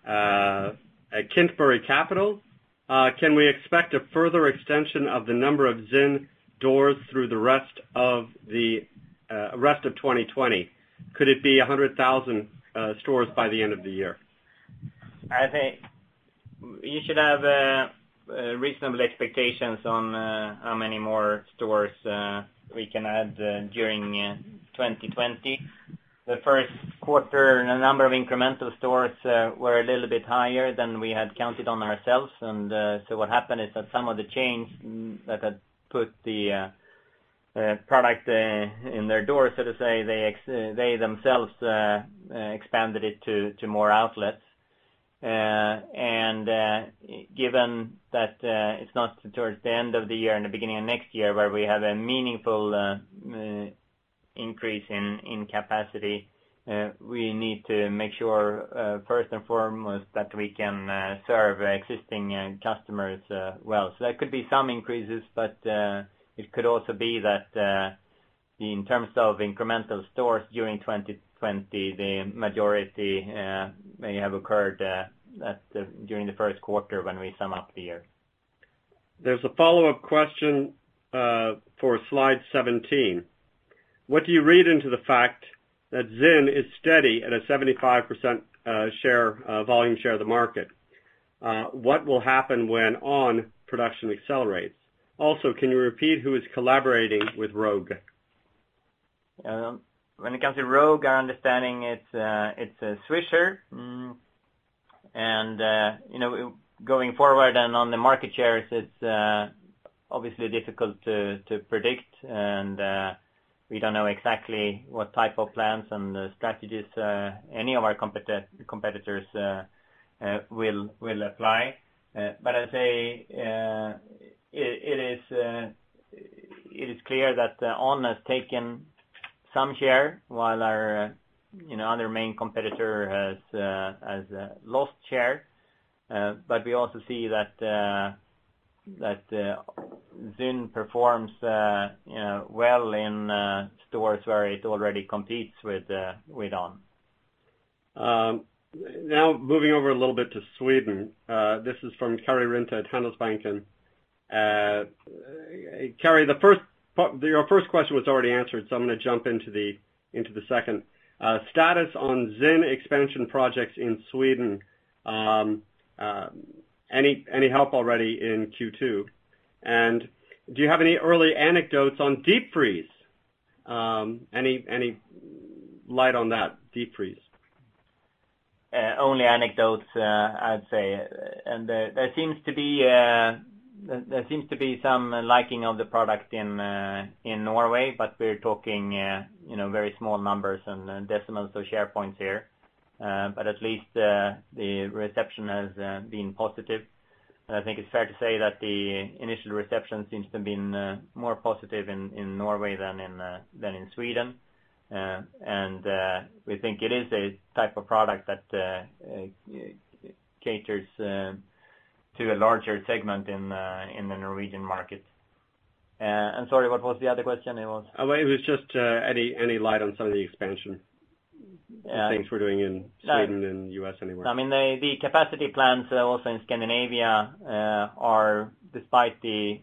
Kintbury Capital. Can we expect a further extension of the number of ZYN doors through the rest of 2020? Could it be 100,000 stores by the end of the year? I think you should have reasonable expectations on how many more stores we can add during 2020. The first quarter, the number of incremental stores were a little bit higher than we had counted on ourselves. What happened is that some of the chains that had put the product in their doors, so to say, they themselves expanded it to more outlets. Given that it's not towards the end of the year and the beginning of next year where we have a meaningful increase in capacity, we need to make sure first and foremost that we can serve existing customers well. There could be some increases, but it could also be that in terms of incremental stores during 2020, the majority may have occurred during the first quarter when we sum up the year. There's a follow-up question for slide 17. What do you read into the fact that ZYN is steady at a 75% volume share of the market? What will happen when on! production accelerates? Can you repeat who is collaborating with Rogue? When it comes to Rogue, our understanding, it's Swisher. Going forward and on the market shares, it's obviously difficult to predict and we don't know exactly what type of plans and strategies any of our competitors will apply. I'd say, it is clear that on! has taken some share while our other main competitor has lost share. We also see that ZYN performs well in stores where it already competes with on!. Moving over a little bit to Sweden. This is from Karri Rinta at Handelsbanken. Karri, your first question was already answered. I'm going to jump into the second. Status on ZYN expansion projects in Sweden. Any help already in Q2? Do you have any early anecdotes on Deep Freeze? Any light on that, Deep Freeze? Only anecdotes, I'd say. There seems to be some liking of the product in Norway, but we're talking very small numbers and decimals of share points here. At least the reception has been positive, and I think it's fair to say that the initial reception seems to have been more positive in Norway than in Sweden. We think it is a type of product that caters to a larger segment in the Norwegian market. Sorry, what was the other question? It was just any light on some of the expansion things we're doing in Sweden and U.S. anywhere. The capacity plans also in Scandinavia are, despite the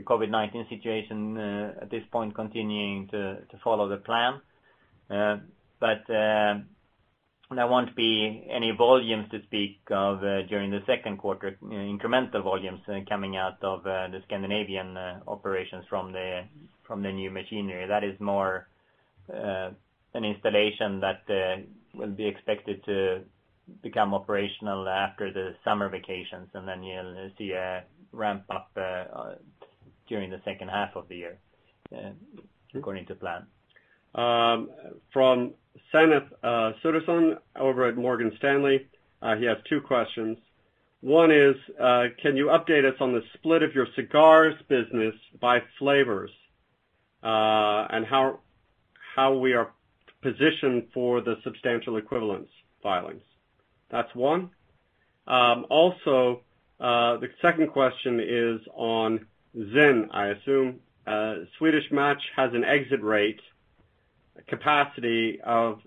COVID-19 situation at this point, continuing to follow the plan. There won't be any volumes to speak of during the second quarter, incremental volumes coming out of the Scandinavian operations from the new machinery. That is more an installation that will be expected to become operational after the summer vacations. Then you'll see a ramp-up during the second half of the year according to plan. From Sameet Sudherson over at Morgan Stanley. He has two questions. One is, can you update us on the split of your cigars business by flavors, and how we are positioned for the substantial equivalence filings? That's one. The second question is on ZYN, I assume. Swedish Match has an exit rate capacity of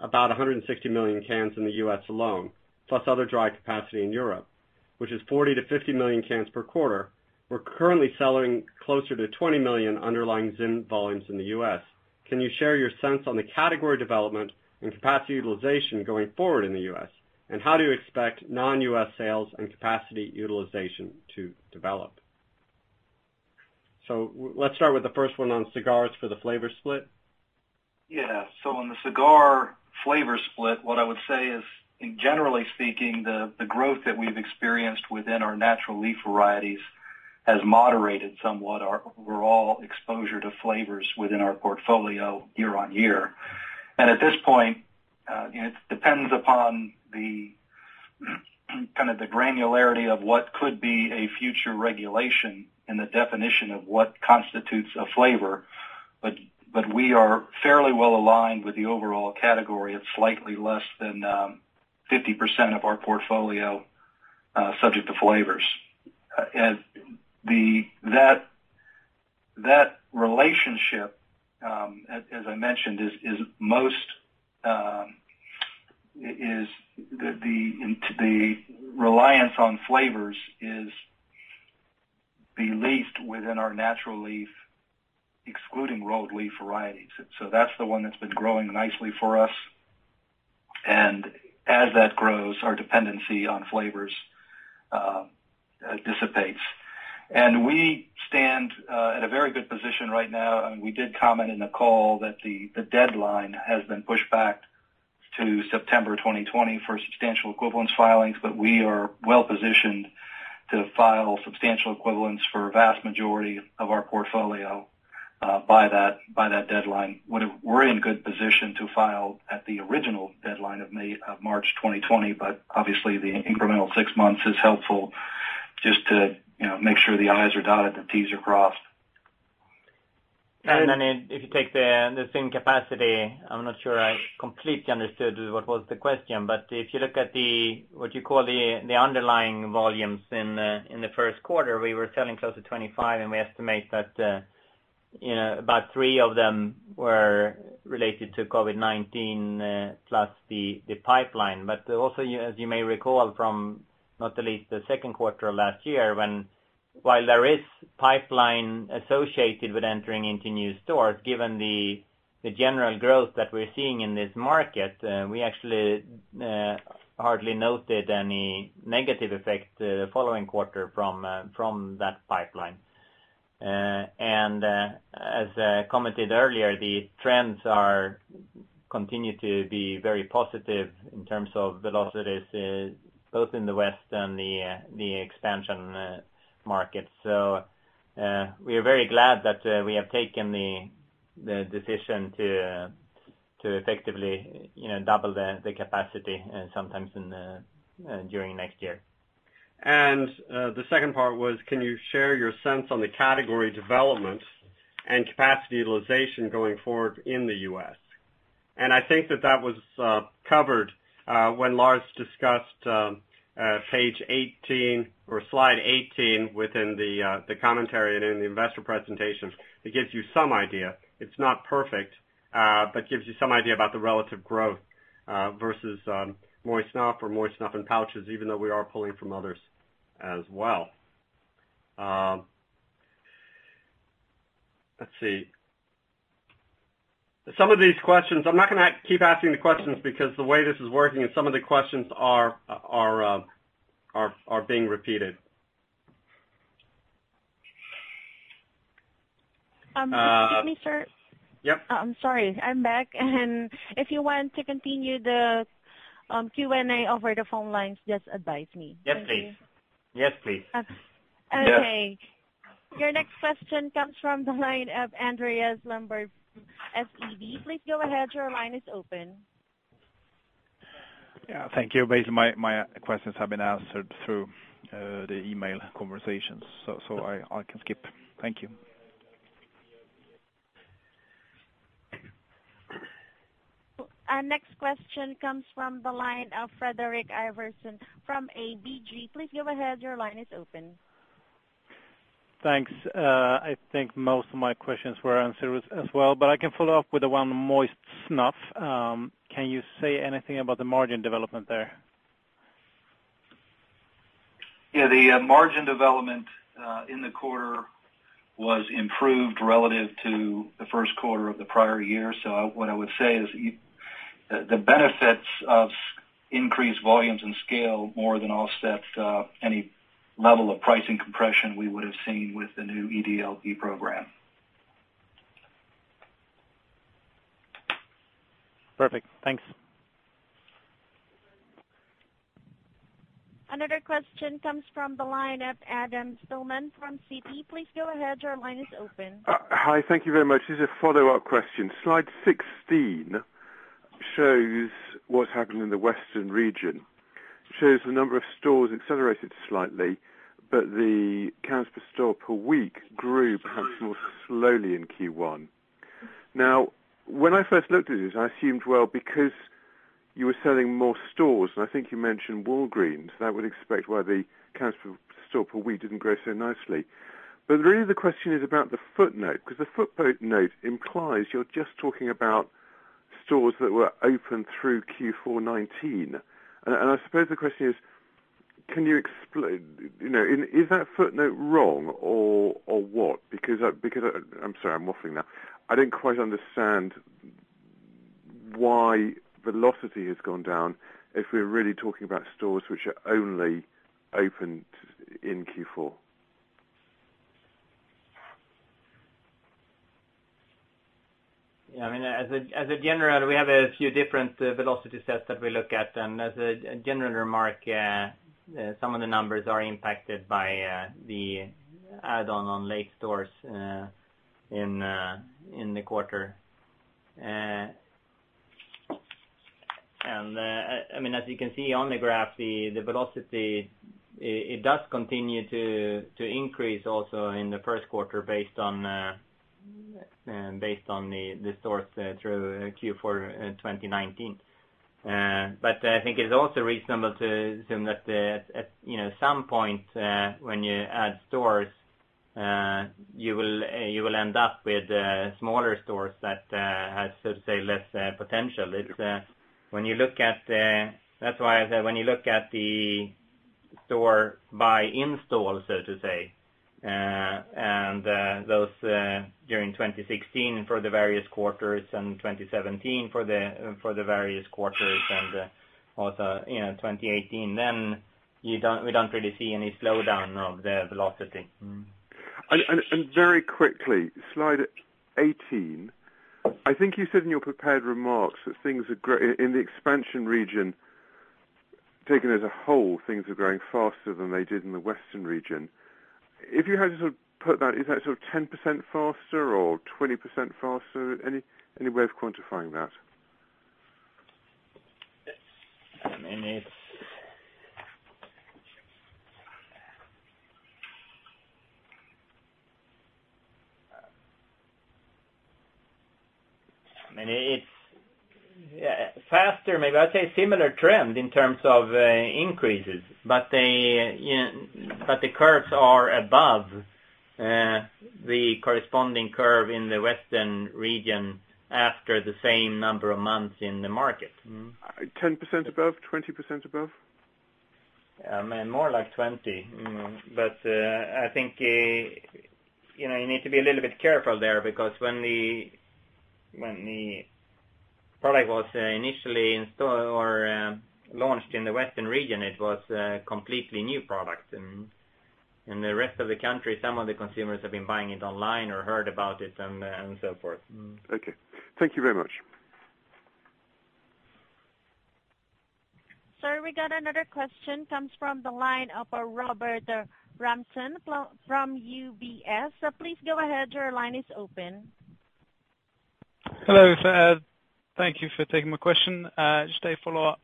about 160 million cans in the U.S. alone, plus other dry capacity in Europe, which is 40 million-50 million cans per quarter. We're currently selling closer to 20 million underlying ZYN volumes in the U.S. Can you share your sense on the category development and capacity utilization going forward in the U.S.? How do you expect non-U.S. sales and capacity utilization to develop? Let's start with the first one on cigars for the flavor split. Yeah. On the cigar flavor split, what I would say is, generally speaking, the growth that we've experienced within our natural leaf varieties has moderated somewhat our overall exposure to flavors within our portfolio year on year. At this point, it depends upon the granularity of what could be a future regulation and the definition of what constitutes a flavor. We are fairly well aligned with the overall category of slightly less than 50% of our portfolio subject to flavors. That relationship, as I mentioned, the reliance on flavors is the least within our natural leaf, excluding rolled leaf varieties. That's the one that's been growing nicely for us. As that grows, our dependency on flavors dissipates. We stand at a very good position right now, and we did comment in the call that the deadline has been pushed back to September 2020 for substantial equivalence filings, but we are well positioned to file substantial equivalence for a vast majority of our portfolio by that deadline. We're in good position to file at the original deadline of March 2020, but obviously the incremental six months is helpful. Just to make sure the I's are dotted, the T's are crossed. If you take the ZYN capacity, I'm not sure I completely understood what was the question, but if you look at what you call the underlying volumes in the first quarter, we were selling close to 25 million, and we estimate that about three of them were related to COVID-19, plus the pipeline. Also, as you may recall from not least the second quarter of last year, while there is pipeline associated with entering into new stores, given the general growth that we're seeing in this market, we actually hardly noted any negative effect the following quarter from that pipeline. As I commented earlier, the trends continue to be very positive in terms of velocities, both in the West and the expansion markets. We are very glad that we have taken the decision to effectively double the capacity sometimes during next year. The second part was, can you share your sense on the category development and capacity utilization going forward in the U.S.? I think that that was covered when Lars discussed page 18 or slide 18 within the commentary and in the investor presentation. It gives you some idea. It's not perfect, but it gives you some idea about the relative growth versus moist snuff or moist snuff and pouches, even though we are pulling from others as well. Let's see. Some of these questions, I'm not going to keep asking the questions because the way this is working and some of the questions are being repeated. Excuse me, sir. Yep. I'm sorry. I'm back. If you want to continue the Q&A over the phone lines, just advise me. Thank you. Yes, please. Okay. Your next question comes from the line of Andreas Lundberg, SEB. Please go ahead. Your line is open. Yeah, thank you. Based on my questions have been answered through the email conversations. I can skip. Thank you. Our next question comes from the line of Fredrik Ivarsson from ABG. Please go ahead. Your line is open. Thanks. I think most of my questions were answered as well. I can follow up with one moist snuff. Can you say anything about the margin development there? Yeah, the margin development in the quarter was improved relative to the first quarter of the prior year. What I would say is the benefits of increased volumes and scale more than offsets any level of pricing compression we would've seen with the new EDLP program. Perfect. Thanks. Another question comes from the line of Adam Spielman from Citi. Please go ahead. Your line is open. Hi, thank you very much. This is a follow-up question. Slide 16 shows what's happening in the Western region. The number of stores accelerated slightly, but the counts per store per week grew perhaps more slowly in Q1. When I first looked at this, I assumed, well, because you were selling more stores, and I think you mentioned Walgreens, that would expect why the counts per store per week didn't grow so nicely. Really the question is about the footnote, because the footnote implies you're just talking about stores that were open through Q4 2019. I suppose the question is that footnote wrong or what? I'm sorry, I'm waffling now. I didn't quite understand why velocity has gone down if we're really talking about stores which are only opened in Q4. Yeah, as a general, we have a few different velocity sets that we look at. As a general remark, some of the numbers are impacted by the add-on, on late stores, in the quarter. As you can see on the graph, the velocity, it does continue to increase also in the first quarter based on the stores through Q4 2019. I think it's also reasonable to assume that at some point, when you add stores, you will end up with smaller stores that has, so to say, less potential. That's why when you look at the store by install, so to say, and those during 2016 for the various quarters and 2017 for the various quarters and also 2018, then we don't really see any slowdown of the velocity. Very quickly, slide 18. I think you said in your prepared remarks that in the expansion region, taken as a whole, things are growing faster than they did in the Western region. If you had to sort of put that, is that sort of 10% faster or 20% faster? Any way of quantifying that? I mean, it's faster, maybe I'd say similar trend in terms of increases, but the curves are above the corresponding curve in the western region after the same number of months in the market. 10% above, 20% above? More like 20. I think you need to be a little bit careful there because when the product was initially installed or launched in the western region, it was a completely new product. In the rest of the country, some of the consumers have been buying it online or heard about it, and so forth. Okay. Thank you very much. Sir, we got another question, comes from the line of Robert Rampton from UBS. Please go ahead, your line is open. Hello. Thank you for taking my question. Just a follow-up.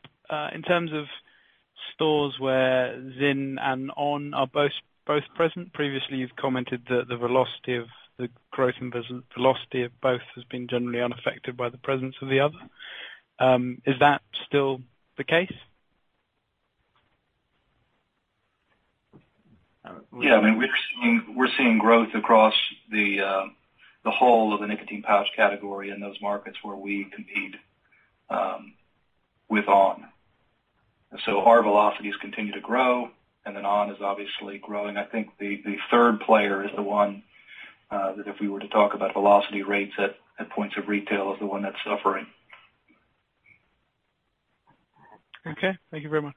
In terms of stores where ZYN and on! are both present, previously you've commented that the velocity of the growth and velocity of both has been generally unaffected by the presence of the other. Is that still the case? Yeah. We're seeing growth across the whole of the nicotine pouch category in those markets where we compete with on!. Our velocities continue to grow. on! is obviously growing. I think the third player is the one that if we were to talk about velocity rates at points of retail, is the one that's suffering. Okay. Thank you very much.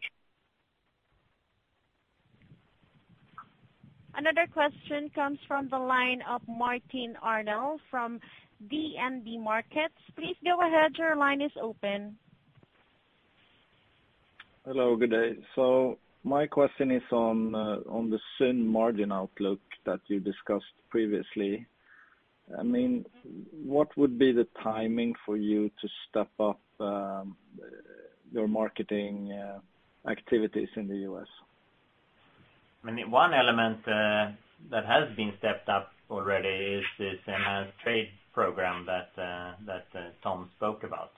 Another question comes from the line of Martin Arnell from DNB Markets. Please go ahead, your line is open. Hello, good day. My question is on the ZYN margin outlook that you discussed previously. What would be the timing for you to step up your marketing activities in the U.S.? One element that has been stepped up already is this trade program that Tom spoke about.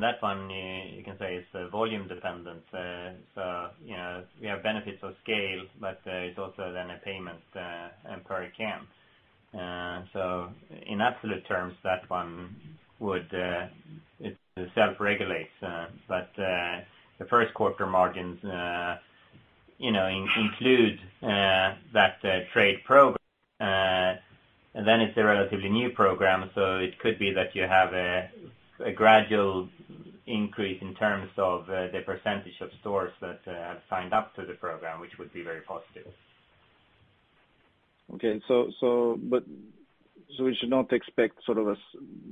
That one, you can say, is volume dependent. We have benefits of scale, but it's also then a payment per can. In absolute terms, that one it self-regulates. The first quarter margins include that trade program. It's a relatively new program, so it could be that you have a gradual increase in terms of the percentage of stores that have signed up to the program, which would be very positive. Okay. We should not expect sort of a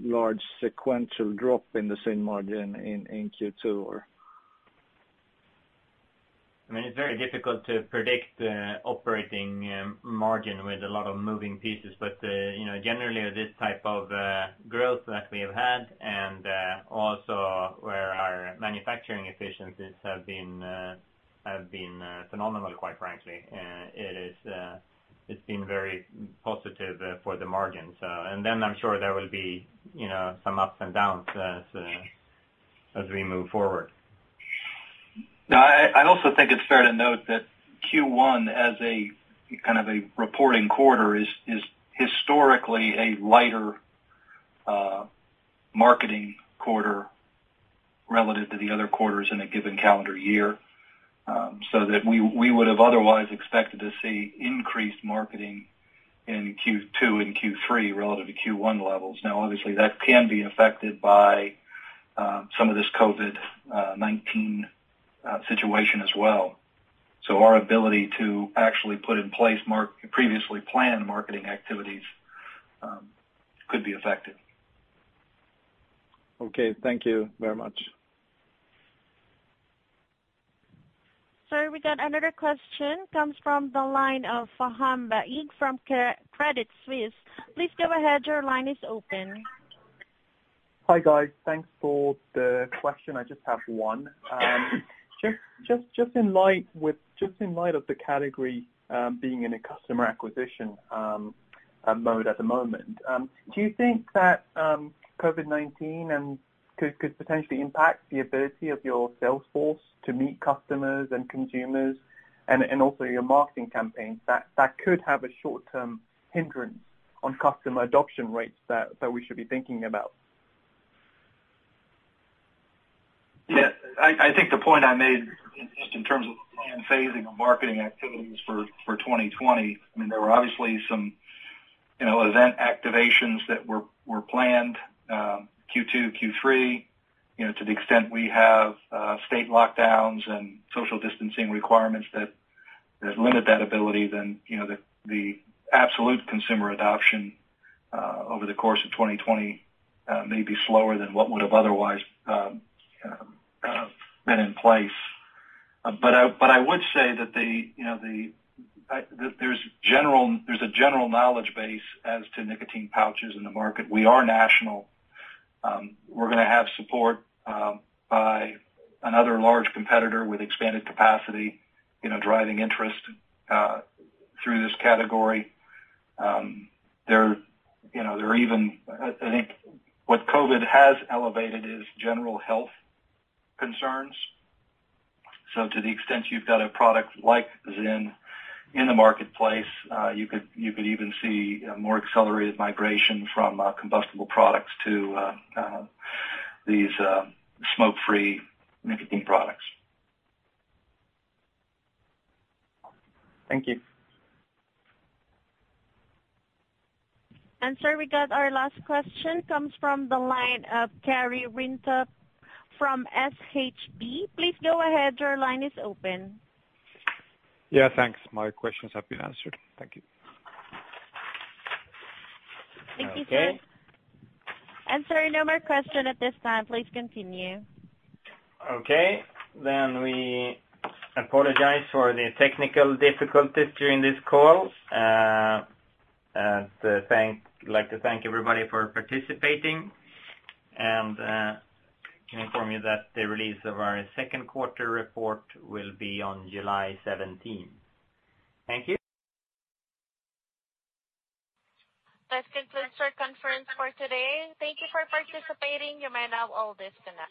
large sequential drop in the ZYN margin in Q2? It's very difficult to predict operating margin with a lot of moving pieces. Generally, this type of growth that we have had and also where our manufacturing efficiencies have been phenomenal, quite frankly. It's been very positive for the margin. I'm sure there will be some ups and downs as we move forward. No, I also think it's fair to note that Q1 as a kind of a reporting quarter is historically a lighter marketing quarter relative to the other quarters in a given calendar year. We would have otherwise expected to see increased marketing in Q2 and Q3 relative to Q1 levels. Now, obviously, that can be affected by some of this COVID-19 situation as well. Our ability to actually put in place previously planned marketing activities could be affected. Okay. Thank you very much. Sir, we got another question, comes from the line of Faham Baig from Credit Suisse. Please go ahead, your line is open. Hi, guys. Thanks for the question. I just have one. Just in light of the category being in a customer acquisition mode at the moment, do you think that COVID-19 could potentially impact the ability of your sales force to meet customers and consumers, and also your marketing campaigns, that could have a short-term hindrance on customer adoption rates that we should be thinking about? I think the point I made just in terms of the planned phasing of marketing activities for 2020, there were obviously some event activations that were planned Q2, Q3. To the extent we have state lockdowns and social distancing requirements that limit that ability, then the absolute consumer adoption over the course of 2020 may be slower than what would have otherwise been in place. I would say that there's a general knowledge base as to nicotine pouches in the market. We are national. We're going to have support by another large competitor with expanded capacity, driving interest through this category. I think what COVID-19 has elevated is general health concerns. To the extent you've got a product like ZYN in the marketplace, you could even see a more accelerated migration from combustible products to these smoke-free nicotine products. Thank you. Sir, we got our last question, comes from the line of Karri Rinta from SHB. Please go ahead, your line is open. Yeah, thanks. My questions have been answered. Thank you. Thank you, sir. Okay. Sir, no more question at this time. Please continue. Okay. We apologize for the technical difficulties during this call. I'd like to thank everybody for participating, and can inform you that the release of our second quarter report will be on July 17th. Thank you. That concludes our conference for today. Thank you for participating. You may now all disconnect.